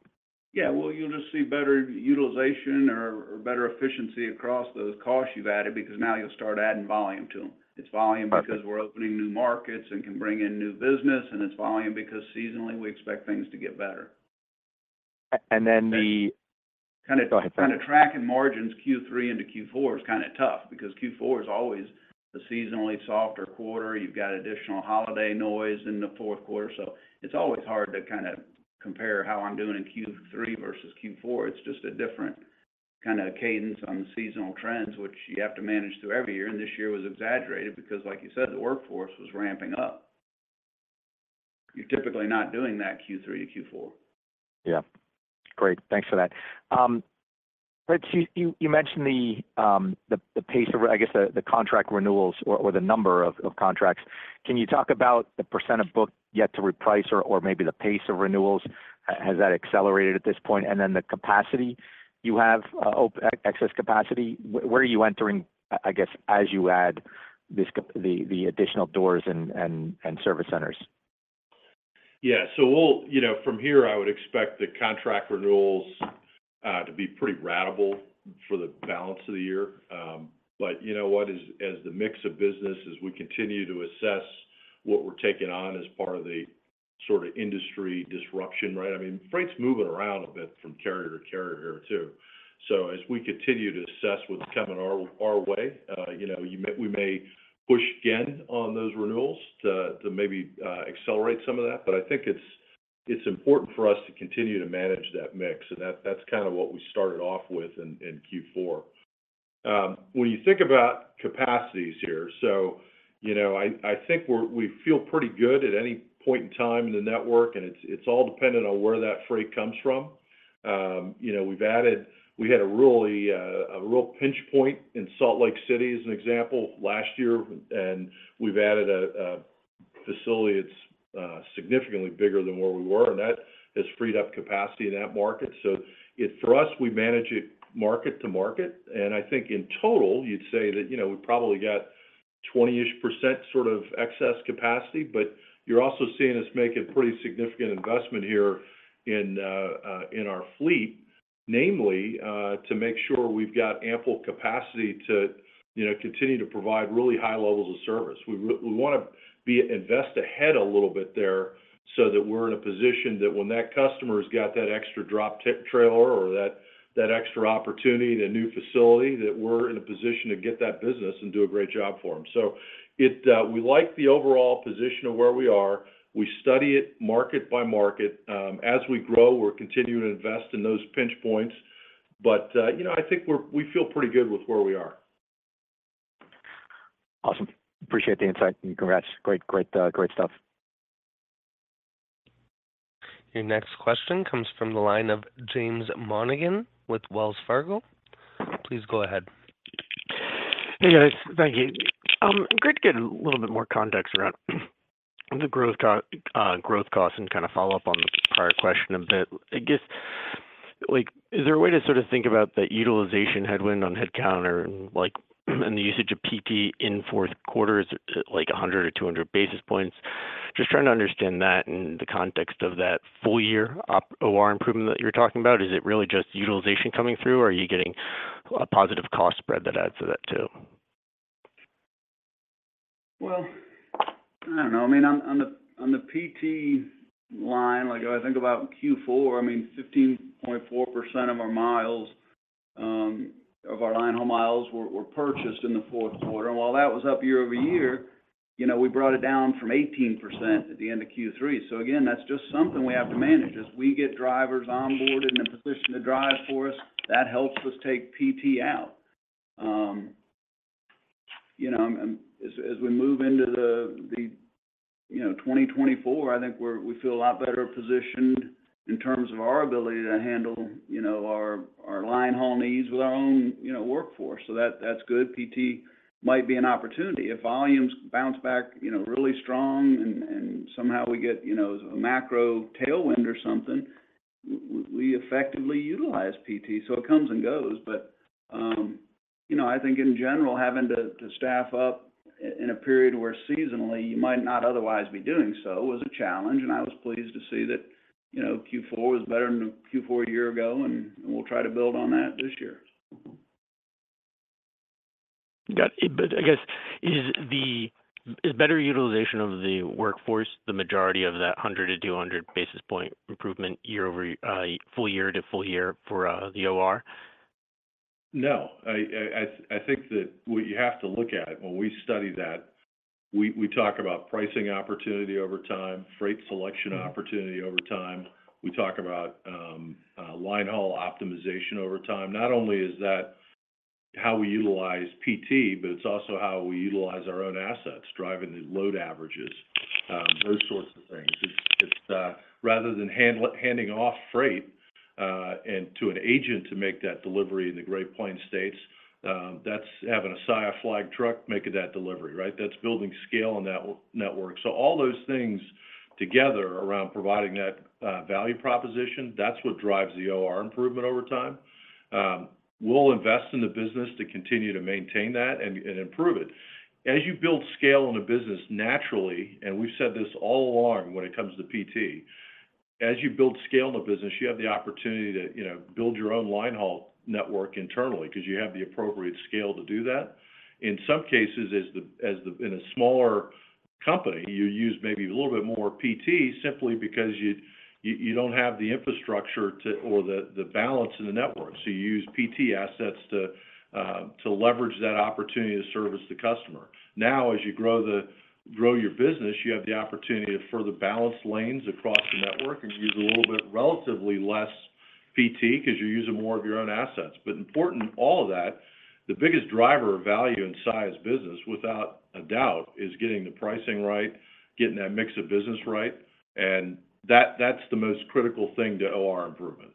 Yeah, well, you'll just see better utilization or, or better efficiency across those costs you've added, because now you'll start adding volume to them. Okay. It's volume because we're opening new markets and can bring in new business, and it's volume because seasonally, we expect things to get better. And then the- Kind of- Go ahead, sorry. Kind of tracking margins Q3 into Q4 is kind of tough because Q4 is always the seasonally softer quarter. You've got additional holiday noise in the fourth quarter, so it's always hard to kind of compare how I'm doing in Q3 versus Q4. It's just a different kind of cadence on the seasonal trends, which you have to manage through every year, and this year was exaggerated because, like you said, the workforce was ramping up. You're typically not doing that Q3-Q4. Yeah. Great. Thanks for that. Fritz, you mentioned the pace of, I guess, the contract renewals or the number of contracts. Can you talk about the percent of book yet to reprice or maybe the pace of renewals? Has that accelerated at this point? And then the capacity you have, excess capacity, where are you entering, I guess, as you add the additional doors and service centers? Yeah. So we'll... You know, from here, I would expect the contract renewals to be pretty ratable for the balance of the year. But you know what? As the mix of business, as we continue to assess what we're taking on as part of the sort of industry disruption, right? I mean, freight's moving around a bit from carrier to carrier here, too. So as we continue to assess what's coming our way, you know, you may- we may push again on those renewals to maybe accelerate some of that. But I think it's important for us to continue to manage that mix, and that's kind of what we started off with in Q4. When you think about capacities here, so, you know, I think we feel pretty good at any point in time in the network, and it's, it's all dependent on where that freight comes from. You know, we've added—we had a really real pinch point in Salt Lake City, as an example, last year, and we've added a facility that's significantly bigger than where we were, and that has freed up capacity in that market. So it—for us, we manage it market to market, and I think in total, you'd say that, you know, we've probably got 20-ish% sort of excess capacity, but you're also seeing us make a pretty significant investment here in our fleet, namely, to make sure we've got ample capacity to, you know, continue to provide really high levels of service. We want to be invested ahead a little bit there so that we're in a position that when that customer has got that extra drop deck trailer or that, that extra opportunity and a new facility, that we're in a position to get that business and do a great job for them. So it, we like the overall position of where we are. We study it market by market. As we grow, we're continuing to invest in those pinch points. But, you know, I think we feel pretty good with where we are. Awesome. Appreciate the insight, and congrats. Great, great, great stuff. Your next question comes from the line of James Monigan with Wells Fargo. Please go ahead. Hey, guys. Thank you. Great to get a little bit more context around the growth costs and kind of follow up on the prior question a bit. I guess, like, is there a way to sort of think about the utilization headwind on headcount or like, and the usage of PT in fourth quarter, is it like 100 or 200 basis points? Just trying to understand that in the context of that full year OR improvement that you're talking about. Is it really just utilization coming through, or are you getting a positive cost spread that adds to that, too? Well, I don't know. I mean, on the PT line, like, if I think about Q4, I mean, 15.4% of our miles of our linehaul miles were purchased in the fourth quarter. While that was up year-over-year, you know, we brought it down from 18% at the end of Q3. So again, that's just something we have to manage. As we get drivers onboarded and in position to drive for us, that helps us take PT out. You know, and as we move into the 2024, I think we feel a lot better positioned in terms of our ability to handle, you know, our linehaul needs with our own workforce. So that's good. PT might be an opportunity. If volumes bounce back, you know, really strong and somehow we get, you know, a macro tailwind or something, we effectively utilize PT, so it comes and goes. But, you know, I think in general, having to staff up in a period where seasonally you might not otherwise be doing so was a challenge, and I was pleased to see that, you know, Q4 was better than Q4 a year ago, and we'll try to build on that this year. Got it. But I guess, is the... Is better utilization of the workforce, the majority of that 100-200 basis point improvement year over year, full year to full year for the OR? No. I think that what you have to look at when we study that, we talk about pricing opportunity over time, freight selection opportunity over time. We talk about linehaul optimization over time. Not only is that how we utilize PT, but it's also how we utilize our own assets, driving the load averages, those sorts of things. It's rather than handing off freight to an agent to make that delivery in the Great Plains states, that's having a Saia flagged truck making that delivery, right? That's building scale on that network. So all those things together around providing that value proposition, that's what drives the OR improvement over time. We'll invest in the business to continue to maintain that and improve it. As you build scale in a business, naturally, and we've said this all along when it comes to PT, as you build scale in a business, you have the opportunity to, you know, build your own linehaul network internally because you have the appropriate scale to do that. In some cases, as the in a smaller company, you use maybe a little bit more PT simply because you don't have the infrastructure to, or the balance in the network. So you use PT assets to to leverage that opportunity to service the customer. Now, as you grow your business, you have the opportunity to further balance lanes across the network and use a little bit, relatively less PT because you're using more of your own assets. Important, all of that, the biggest driver of value in Saia's business, without a doubt, is getting the pricing right, getting that mix of business right, and that, that's the most critical thing to OR improvement.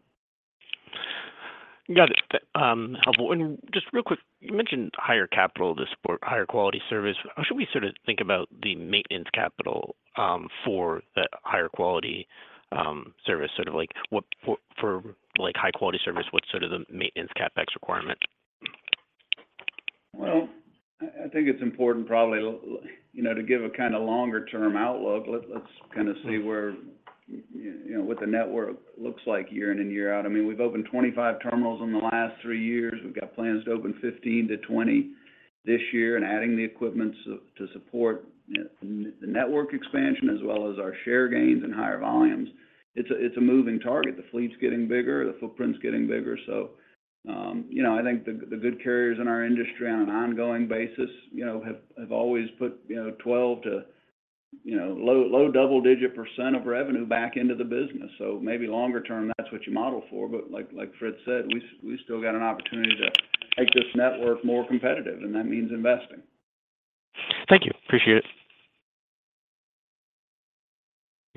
Got it. Helpful. And just real quick, you mentioned higher capital to support higher quality service. How should we sort of think about the maintenance capital for the higher quality service? Sort of like, for high quality service, what's sort of the maintenance CapEx requirement? Well, I think it's important probably, you know, to give a kind of longer term outlook. Let's kind of see where, you know, what the network looks like year in and year out. I mean, we've opened 25 terminals in the last three years. We've got plans to open 15-20 this year and adding the equipment to support the network expansion, as well as our share gains and higher volumes. It's a moving target. The fleet's getting bigger, the footprint's getting bigger. So, you know, I think the good carriers in our industry on an ongoing basis, you know, have always put, you know, 12 to low double-digit % of revenue back into the business. So maybe longer term, that's what you model for. Like Fritz said, we still got an opportunity to make this network more competitive, and that means investing. Thank you. Appreciate it.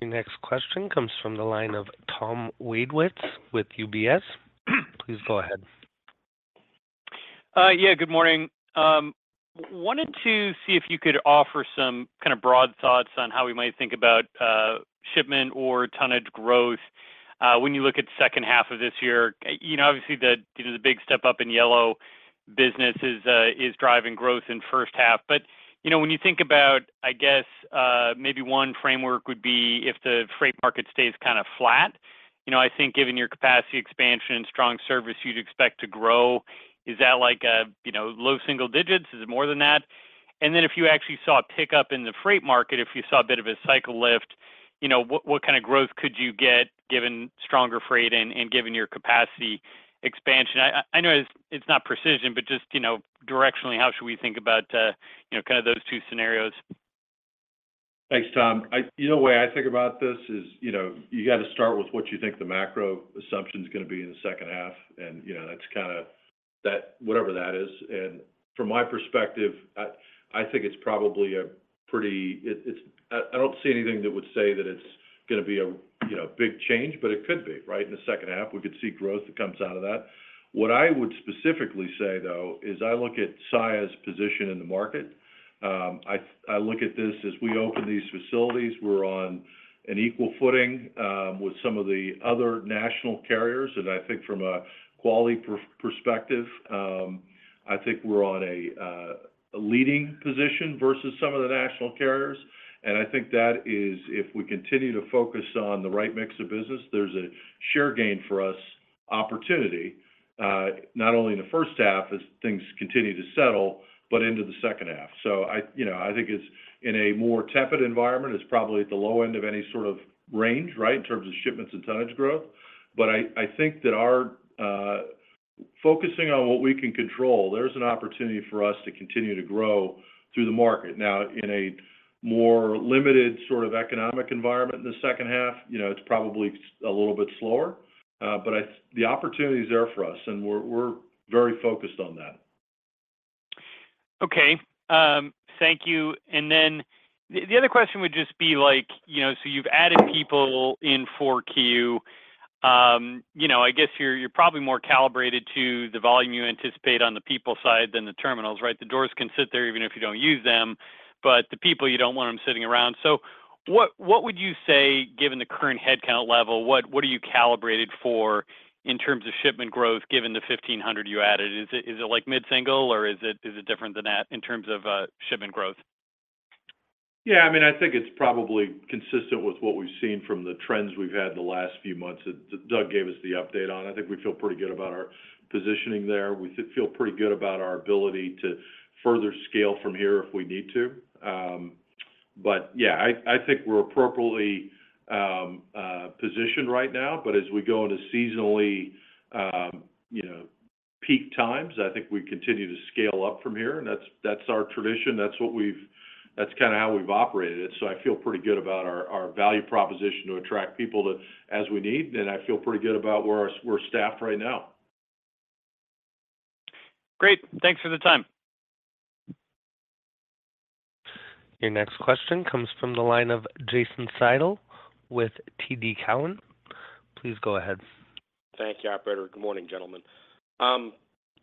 Your next question comes from the line of Tom Wadewitz with UBS. Please go ahead. Yeah, good morning. Wanted to see if you could offer some kind of broad thoughts on how we might think about shipment or tonnage growth when you look at second half of this year. You know, obviously, the big step up in Yellow business is driving growth in first half. But, you know, when you think about, I guess, maybe one framework would be if the freight market stays kind of flat, you know, I think given your capacity expansion and strong service, you'd expect to grow. Is that like a, you know, low single digits? Is it more than that? And then if you actually saw a pickup in the freight market, if you saw a bit of a cycle lift, you know, what kind of growth could you get given stronger freight and given your capacity expansion? I know it's not precise, but just, you know, directionally, how should we think about, you know, kind of those two scenarios?... Thanks, Tom. I, you know, the way I think about this is, you know, you got to start with what you think the macro assumption is going to be in the second half, and, you know, that's kind of that, whatever that is. And from my perspective, I, I think it's probably a I don't see anything that would say that it's going to be a, you know, big change, but it could be, right? In the second half, it could be, right? In the second half, we could see growth that comes out of that. What I would specifically say, though, is I look at Saia's position in the market. I, I look at this as we open these facilities, we're on an equal footing with some of the other national carriers. I think from a quality perspective, I think we're on a leading position versus some of the national carriers. I think that is, if we continue to focus on the right mix of business, there's a share gain for us opportunity, not only in the first half as things continue to settle, but into the second half. So I, you know, I think it's in a more tepid environment, it's probably at the low end of any sort of range, right, in terms of shipments and tonnage growth. But I, I think that our focusing on what we can control, there's an opportunity for us to continue to grow through the market. Now, in a more limited sort of economic environment in the second half, you know, it's probably a little bit slower, but the opportunity is there for us, and we're very focused on that. Okay. Thank you. And then the other question would just be like, you know, so you've added people in 4Q. You know, I guess you're probably more calibrated to the volume you anticipate on the people side than the terminals, right? The doors can sit there even if you don't use them, but the people, you don't want them sitting around. So what would you say, given the current headcount level, what are you calibrated for in terms of shipment growth, given the 1,500 you added? Is it like mid-single, or is it different than that in terms of shipment growth? Yeah, I mean, I think it's probably consistent with what we've seen from the trends we've had in the last few months that Doug gave us the update on. I think we feel pretty good about our positioning there. We feel pretty good about our ability to further scale from here if we need to. But yeah, I think we're appropriately positioned right now, but as we go into seasonally, you know, peak times, I think we continue to scale up from here, and that's, that's our tradition. That's what we've, that's kinda how we've operated. So I feel pretty good about our value proposition to attract people to, as we need, and I feel pretty good about where we're staffed right now. Great. Thanks for the time. Your next question comes from the line of Jason Seidl with TD Cowen. Please go ahead. Thank you, operator. Good morning, gentlemen.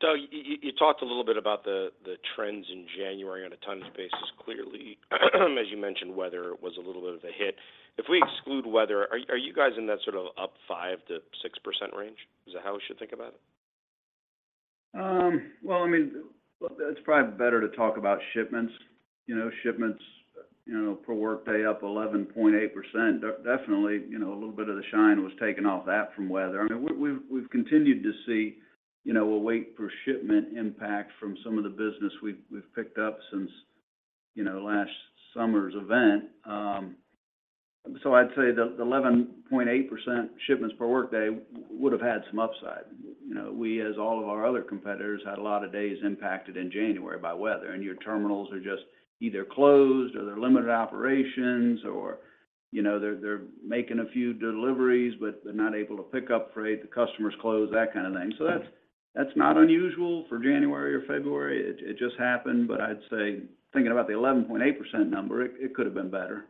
Doug, you talked a little bit about the trends in January on a tonnage basis. Clearly, as you mentioned, weather was a little bit of a hit. If we exclude weather, are you guys in that sort of up 5%-6% range? Is that how we should think about it? Well, I mean, it's probably better to talk about shipments. You know, shipments, you know, per workday up 11.8%. Definitely, you know, a little bit of the shine was taken off that from weather. I mean, we've continued to see, you know, a weight-per-shipment impact from some of the business we've picked up since, you know, last summer's event. So I'd say the 11.8% shipments per workday would have had some upside. You know, we, as all of our other competitors, had a lot of days impacted in January by weather, and your terminals are just either closed or they're limited operations or, you know, they're making a few deliveries, but they're not able to pick up freight, the customers close, that kind of thing. So that's not unusual for January or February. It just happened, but I'd say, thinking about the 11.8% number, it could have been better.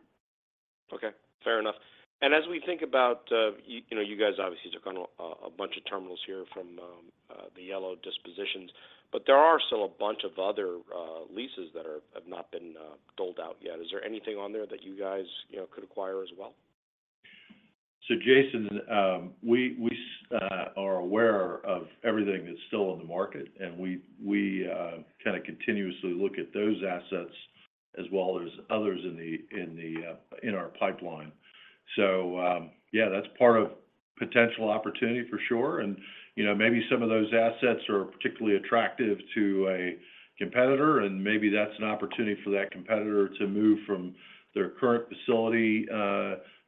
Okay, fair enough. And as we think about, you know, you guys obviously took on a bunch of terminals here from the Yellow dispositions, but there are still a bunch of other leases that are have not been doled out yet. Is there anything on there that you guys, you know, could acquire as well? So, Jason, we are aware of everything that's still on the market, and we kinda continuously look at those assets as well as others in the in our pipeline. So, yeah, that's part of potential opportunity for sure. And, you know, maybe some of those assets are particularly attractive to a competitor, and maybe that's an opportunity for that competitor to move from their current facility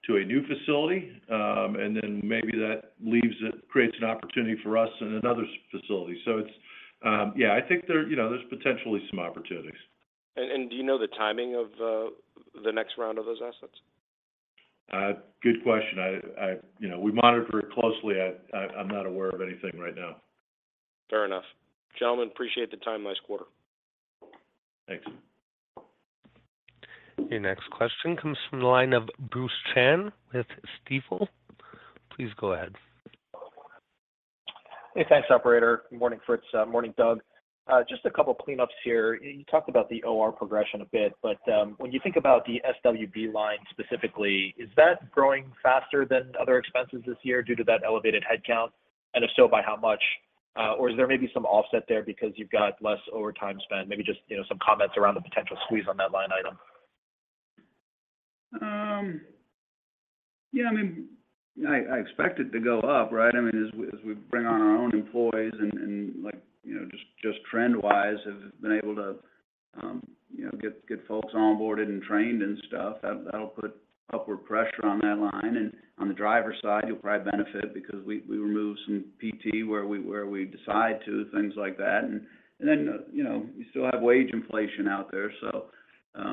to a new facility. And then maybe that leaves it, creates an opportunity for us in another facility. So it's, yeah, I think there, you know, there's potentially some opportunities. Do you know the timing of the next round of those assets? Good question. You know, we monitor it closely. I'm not aware of anything right now. Fair enough. Gentlemen, appreciate the time this quarter. Thanks. Your next question comes from the line of Bruce Chan with Stifel. Please go ahead. Hey, thanks, operator. Good morning, Fritz. Morning, Doug. Just a couple of cleanups here. You talked about the OR progression a bit, but when you think about the SWB line specifically, is that growing faster than other expenses this year due to that elevated headcount? And if so, by how much? Or is there maybe some offset there because you've got less overtime spent? Maybe just, you know, some comments around the potential squeeze on that line item. Yeah, I mean, I expect it to go up, right? I mean, as we bring on our own employees and like, you know, just trend-wise, have been able to, you know, get folks onboarded and trained and stuff, that'll put upward pressure on that line. And on the driver side, you'll probably benefit because we remove some PT where we decide to, things like that. And then, you know-... we still have wage inflation out there, so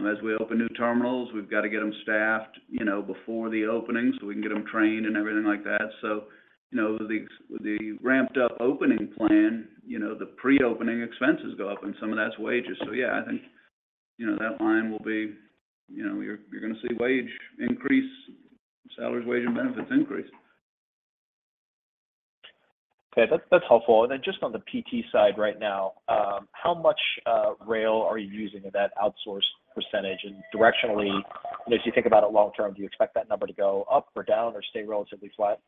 as we open new terminals, we've got to get them staffed, you know, before the opening, so we can get them trained and everything like that. So, you know, the ramped up opening plan, you know, the pre-opening expenses go up, and some of that's wages. So yeah, I think, you know, that line will be, you know, you're going to see wage increase, salaries, wage, and benefits increase. Okay, that's, that's helpful. And then just on the PT side right now, how much rail are you using of that outsourced percentage? And directionally, as you think about it long term, do you expect that number to go up or down, or stay relatively flat?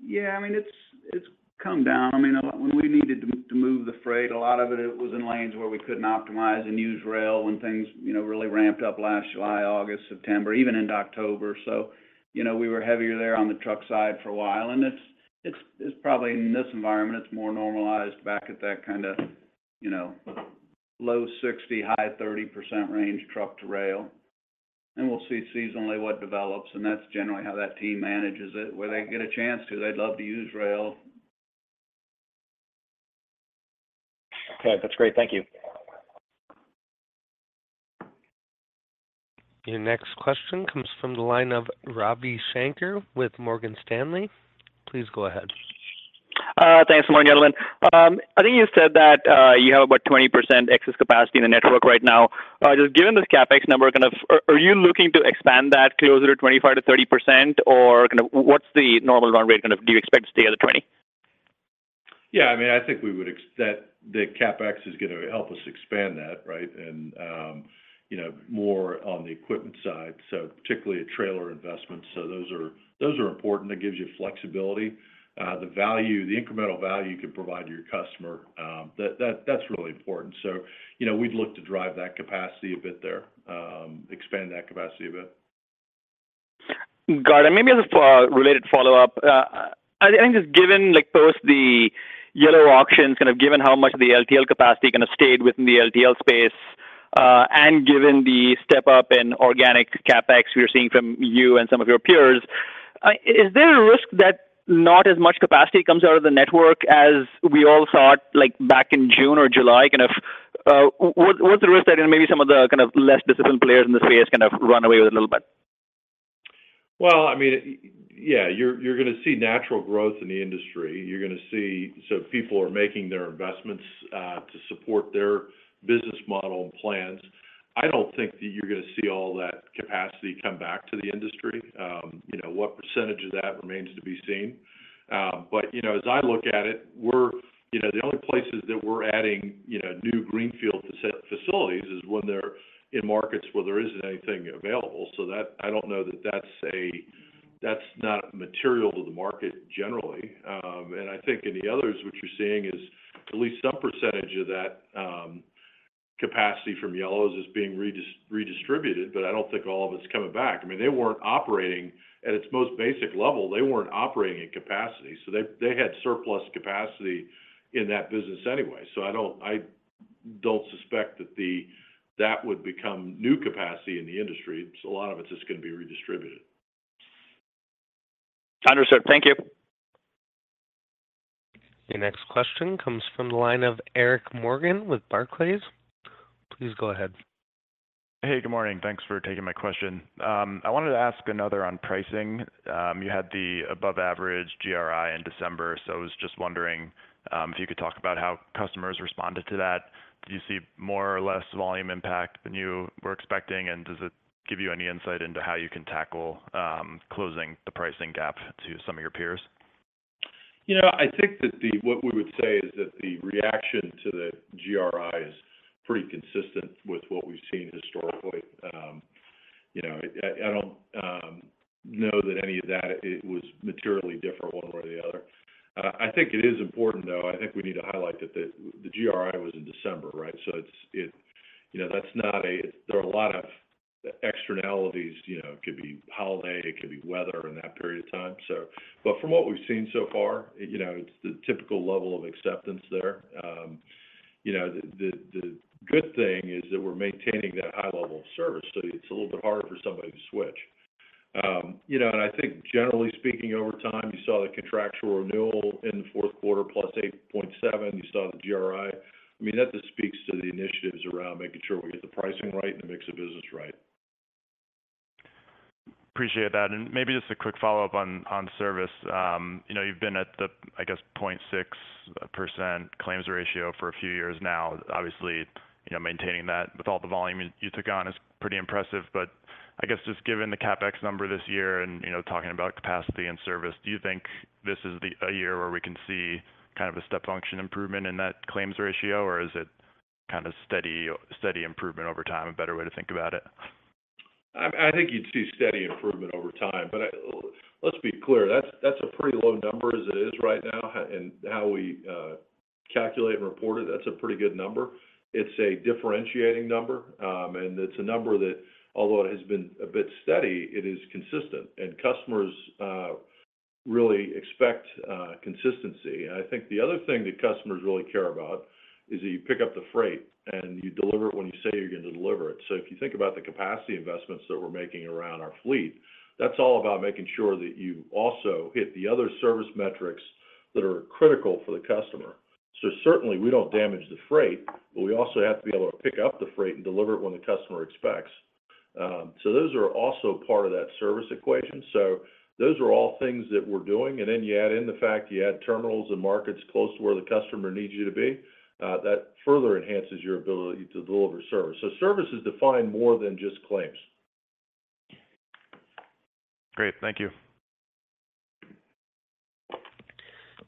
Yeah, I mean, it's come down. I mean, a lot—when we needed to move the freight, a lot of it was in lanes where we couldn't optimize and use rail when things, you know, really ramped up last July, August, September, even into October. So, you know, we were heavier there on the truck side for a while, and it's probably in this environment, it's more normalized back at that kind of, you know, low 60-high 30% range, truck to rail. And we'll see seasonally what develops, and that's generally how that team manages it. Where they get a chance to, they'd love to use rail. Okay, that's great. Thank you. Your next question comes from the line of Ravi Shanker with Morgan Stanley. Please go ahead. Thanks. Good morning, gentlemen. I think you said that you have about 20% excess capacity in the network right now. Just given this CapEx number, kind of, are you looking to expand that closer to 25%-30%? Or kind of what's the normal run rate, kind of, do you expect to stay at the 20? Yeah, I mean, I think we would expect that the CapEx is going to help us expand that, right? And, you know, more on the equipment side, so particularly a trailer investment. So those are, those are important. It gives you flexibility. The value, the incremental value you can provide to your customer, that, that's really important. So, you know, we'd look to drive that capacity a bit there, expand that capacity a bit. Got it. Maybe just a related follow-up. I think just given, like, first the Yellow auctions, kind of, given how much of the LTL capacity kind of stayed within the LTL space, and given the step up in organic CapEx we are seeing from you and some of your peers, is there a risk that not as much capacity comes out of the network as we all thought, like back in June or July? Kind of, what's the risk that, and maybe some of the kind of less disciplined players in this space kind of run away with a little bit? Well, I mean, yeah, you're, you're going to see natural growth in the industry. You're going to see... So people are making their investments to support their business model and plans. I don't think that you're going to see all that capacity come back to the industry. You know, what percentage of that remains to be seen? But, you know, as I look at it, we're, you know, the only places that we're adding, you know, new greenfield facilities is when they're in markets where there isn't anything available. So, I don't know that that's a, that's not material to the market generally. And I think in the others, what you're seeing is at least some percentage of that capacity from Yellow's is being redistributed, but I don't think all of it's coming back. I mean, they weren't operating, at its most basic level, they weren't operating at capacity, so they had surplus capacity in that business anyway. So I don't suspect that that would become new capacity in the industry. So a lot of it's just going to be redistributed. Understood. Thank you. The next question comes from the line of Eric Morgan with Barclays. Please go ahead. Hey, good morning. Thanks for taking my question. I wanted to ask another on pricing. You had the above average GRI in December, so I was just wondering if you could talk about how customers responded to that. Do you see more or less volume impact than you were expecting? And does it give you any insight into how you can tackle closing the pricing gap to some of your peers? You know, I think that what we would say is that the reaction to the GRI is pretty consistent with what we've seen historically. You know, I don't know that any of that it was materially different one way or the other. I think it is important, though. I think we need to highlight that the GRI was in December, right? So it's you know, that's not a, there are a lot of externalities, you know. It could be holiday, it could be weather in that period of time. So, but from what we've seen so far, you know, it's the typical level of acceptance there. You know, the good thing is that we're maintaining that high level of service, so it's a little bit harder for somebody to switch. You know, and I think generally speaking, over time, you saw the contractual renewal in the fourth quarter, +8.7, you saw the GRI. I mean, that just speaks to the initiatives around making sure we get the pricing right and the mix of business right. Appreciate that. Maybe just a quick follow-up on service. You know, you've been at the, I guess, 0.6% claims ratio for a few years now. Obviously, you know, maintaining that with all the volume you took on is pretty impressive. But I guess just given the CapEx number this year and, you know, talking about capacity and service, do you think this is a year where we can see kind of a step function improvement in that claims ratio? Or is it kind of steady, steady improvement over time, a better way to think about it? I think you'd see steady improvement over time, but let's be clear, that's a pretty low number as it is right now, and how we calculate and report it, that's a pretty good number. It's a differentiating number, and it's a number that, although it has been a bit steady, it is consistent, and customers really expect consistency. And I think the other thing that customers really care about is that you pick up the freight and you deliver it when you say you're going to deliver it. So if you think about the capacity investments that we're making around our fleet, that's all about making sure that you also hit the other service metrics that are critical for the customer.... So certainly, we don't damage the freight, but we also have to be able to pick up the freight and deliver it when the customer expects. So those are also part of that service equation. So those are all things that we're doing, and then you add in the fact you add terminals and markets close to where the customer needs you to be, that further enhances your ability to deliver service. So service is defined more than just claims. Great. Thank you.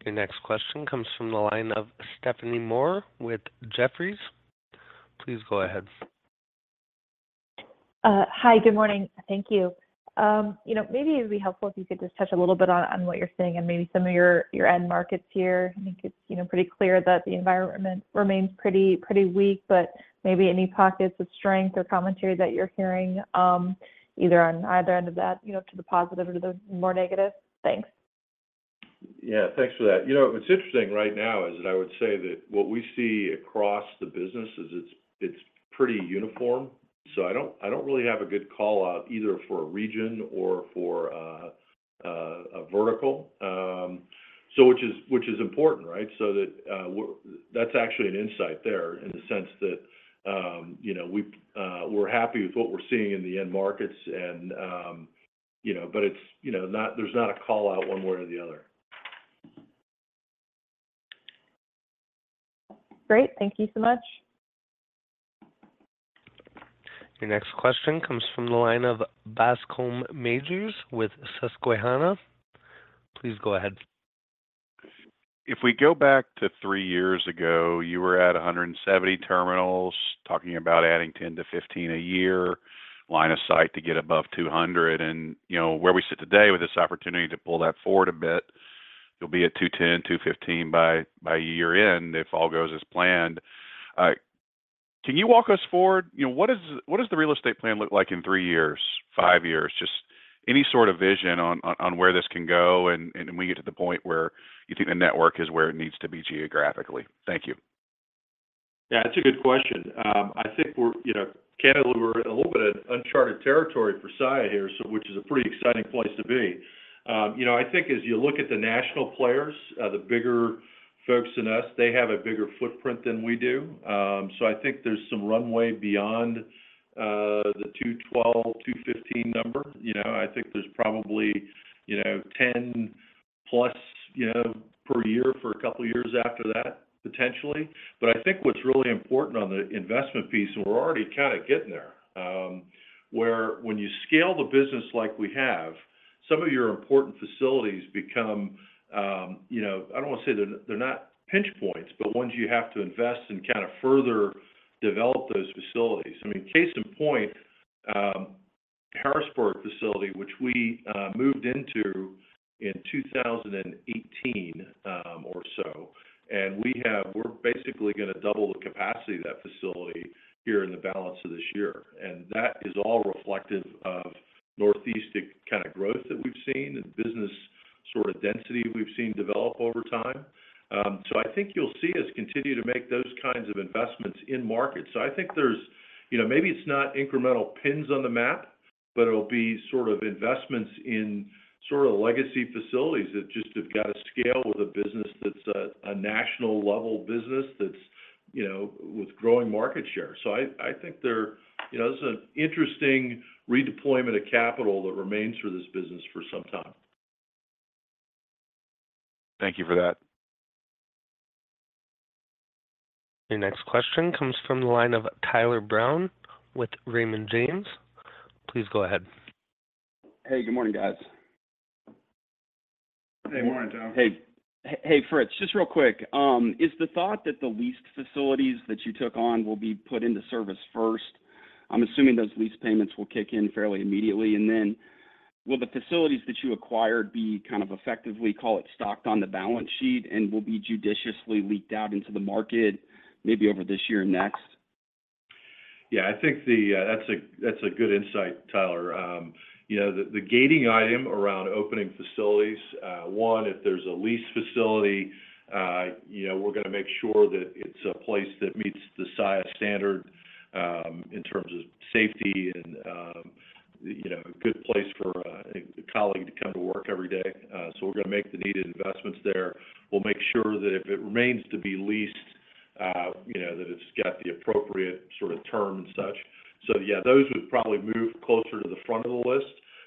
Your next question comes from the line of Stephanie Moore with Jefferies. Please go ahead. Hi, good morning. Thank you. You know, maybe it'd be helpful if you could just touch a little bit on, on what you're seeing and maybe some of your, your end markets here. I think it's, you know, pretty clear that the environment remains pretty, pretty weak, but maybe any pockets of strength or commentary that you're hearing, either on either end of that, you know, to the positive or to the more negative? Thanks. Yeah, thanks for that. You know, what's interesting right now is that I would say that what we see across the business is. It's pretty uniform. I don't really have a good call-out either for a region or for a vertical. Which is important, right? That's actually an insight there in the sense that, you know, we're happy with what we're seeing in the end markets, and, you know, but it's not. There's not a call-out one way or the other. Great. Thank you so much. Your next question comes from the line of Bascome Majors with Susquehanna. Please go ahead. If we go back to three years ago, you were at 170 terminals, talking about adding 10-15 a year, line of sight to get above 200. And, you know, where we sit today with this opportunity to pull that forward a bit, you'll be at 210, 215 by year-end if all goes as planned. Can you walk us forward? You know, what does, what does the real estate plan look like in three years, five years? Just any sort of vision on, on, on where this can go, and, and we get to the point where you think the network is where it needs to be geographically. Thank you. Yeah, that's a good question. I think we're, you know, candidly, we're in a little bit of uncharted territory for Saia here, so which is a pretty exciting place to be. You know, I think as you look at the national players, the bigger folks than us, they have a bigger footprint than we do. So I think there's some runway beyond, the 212, 215 number. You know, I think there's probably, you know, 10+, you know, per year for a couple of years after that, potentially. But I think what's really important on the investment piece, and we're already kind of getting there, where when you scale the business like we have, some of your important facilities become, you know... I don't want to say they're not pinch points, but ones you have to invest and kind of further develop those facilities. I mean, case in point, Harrisburg facility, which we moved into in 2018 or so, and we're basically going to double the capacity of that facility here in the balance of this year. And that is all reflective of Northeastern kind of growth that we've seen and business sort of density we've seen develop over time. So I think you'll see us continue to make those kinds of investments in markets. So I think there's, you know, maybe it's not incremental pins on the map, but it'll be sort of investments in sort of legacy facilities that just have got to scale with a business that's a national-level business that's, you know, with growing market share. So, I think, you know, this is an interesting redeployment of capital that remains for this business for some time. Thank you for that. Your next question comes from the line of Tyler Brown with Raymond James. Please go ahead. Hey, good morning, guys. Hey, morning, Tyler. Hey, hey, Fritz, just real quick, is the thought that the leased facilities that you took on will be put into service first? I'm assuming those lease payments will kick in fairly immediately, and then will the facilities that you acquired be kind of effectively, call it, stocked on the balance sheet and will be judiciously leaked out into the market, maybe over this year and next? Yeah, I think that's a good insight, Tyler. You know, the gating item around opening facilities, one, if there's a lease facility, you know, we're going to make sure that it's a place that meets the Saia standard, in terms of safety and, you know, a good place for a colleague to come to work every day. So we're going to make the needed investments there. We'll make sure that if it remains to be leased, you know, that it's got the appropriate sort of term and such. So, yeah, those would probably move closer to the front of the list.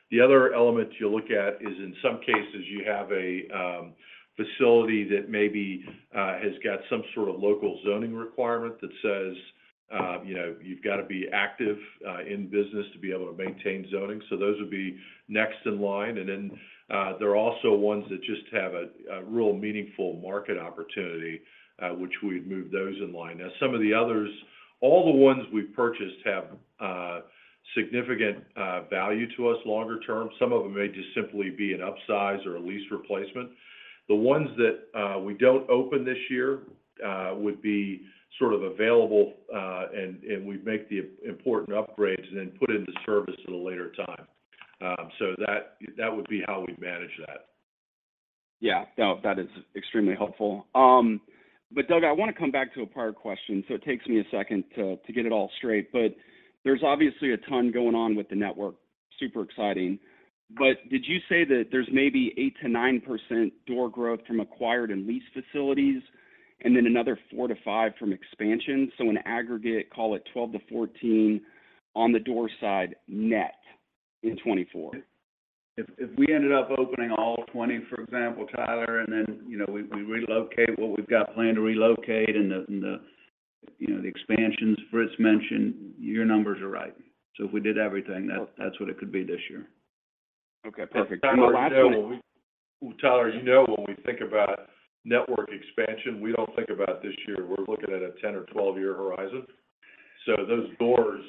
The other element you look at is, in some cases, you have a facility that maybe has got some sort of local zoning requirement that says, you know, you've got to be active in business to be able to maintain zoning. So those would be next in line, and then there are also ones that just have a real meaningful market opportunity which we'd move those in line. Now, some of the others, all the ones we've purchased have significant value to us longer term. Some of them may just simply be an upsize or a lease replacement. The ones that we don't open this year would be sort of available and we'd make the important upgrades and then put into service at a later time. So that would be how we manage that. Yeah, no, that is extremely helpful. But Doug, I want to come back to a prior question, so it takes me a second to get it all straight. But there's obviously a ton going on with the network. Super exciting. But did you say that there's maybe 8%-9% door growth from acquired and leased facilities, and then another 4%-5% from expansion? So in aggregate, call it 12%-14% on the door side net in 2024. If we ended up opening all 20, for example, Tyler, and then, you know, we relocate what we've got planned to relocate and the, you know, the expansions Fritz mentioned, your numbers are right. So if we did everything, that's what it could be this year. Okay, perfect. Tyler, you know, when we think about network expansion, we don't think about this year. We're looking at a 10 or 12-year horizon. So those doors,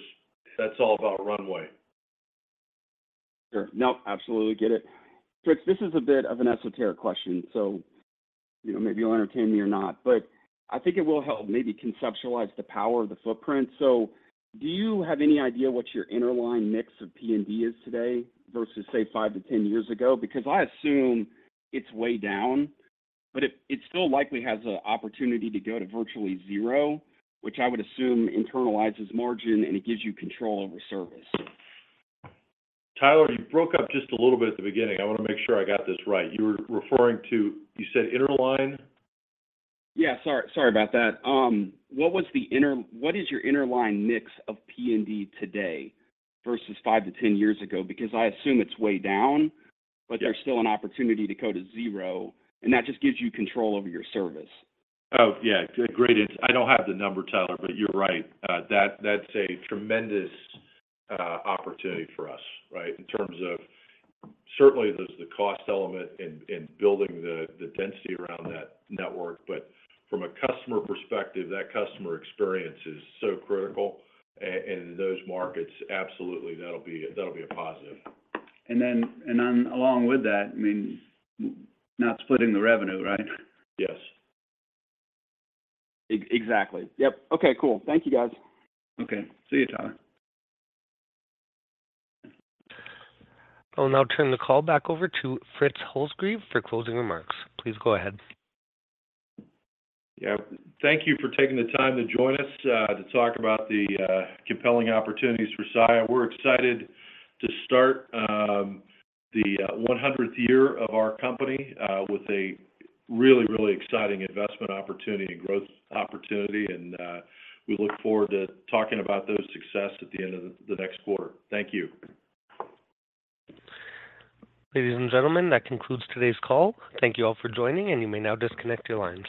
that's all about runway. Sure. Nope, absolutely get it. Fritz, this is a bit of an esoteric question, so, you know, maybe you'll entertain me or not, but I think it will help maybe conceptualize the power of the footprint. So do you have any idea what your interline mix of P&D is today versus, say, 5-10 years ago? Because I assume it's way down, but it, it still likely has an opportunity to go to virtually zero, which I would assume internalizes margin, and it gives you control over service. Tyler, you broke up just a little bit at the beginning. I want to make sure I got this right. You were referring to... You said interline? Yeah, sorry, sorry about that. What was the inter-- what is your interline mix of P&D today versus 5-10 years ago? Because I assume it's way down, but there's still an opportunity to go to zero, and that just gives you control over your service. Oh, yeah. Good. Great. I don't have the number, Tyler, but you're right. That, that's a tremendous opportunity for us, right? In terms of certainly there's the cost element in building the density around that network, but from a customer perspective, that customer experience is so critical. And those markets, absolutely, that'll be a positive. And then, along with that, I mean, not splitting the revenue, right? Yes. Exactly. Yep. Okay, cool. Thank you, guys. Okay. See you, Tyler. I'll now turn the call back over to Fritz Holzgrefe for closing remarks. Please go ahead. Yeah. Thank you for taking the time to join us to talk about the compelling opportunities for Saia. We're excited to start the 100th year of our company with a really, really exciting investment opportunity and growth opportunity, and we look forward to talking about those success at the end of the next quarter. Thank you. Ladies and gentlemen, that concludes today's call. Thank you all for joining, and you may now disconnect your lines.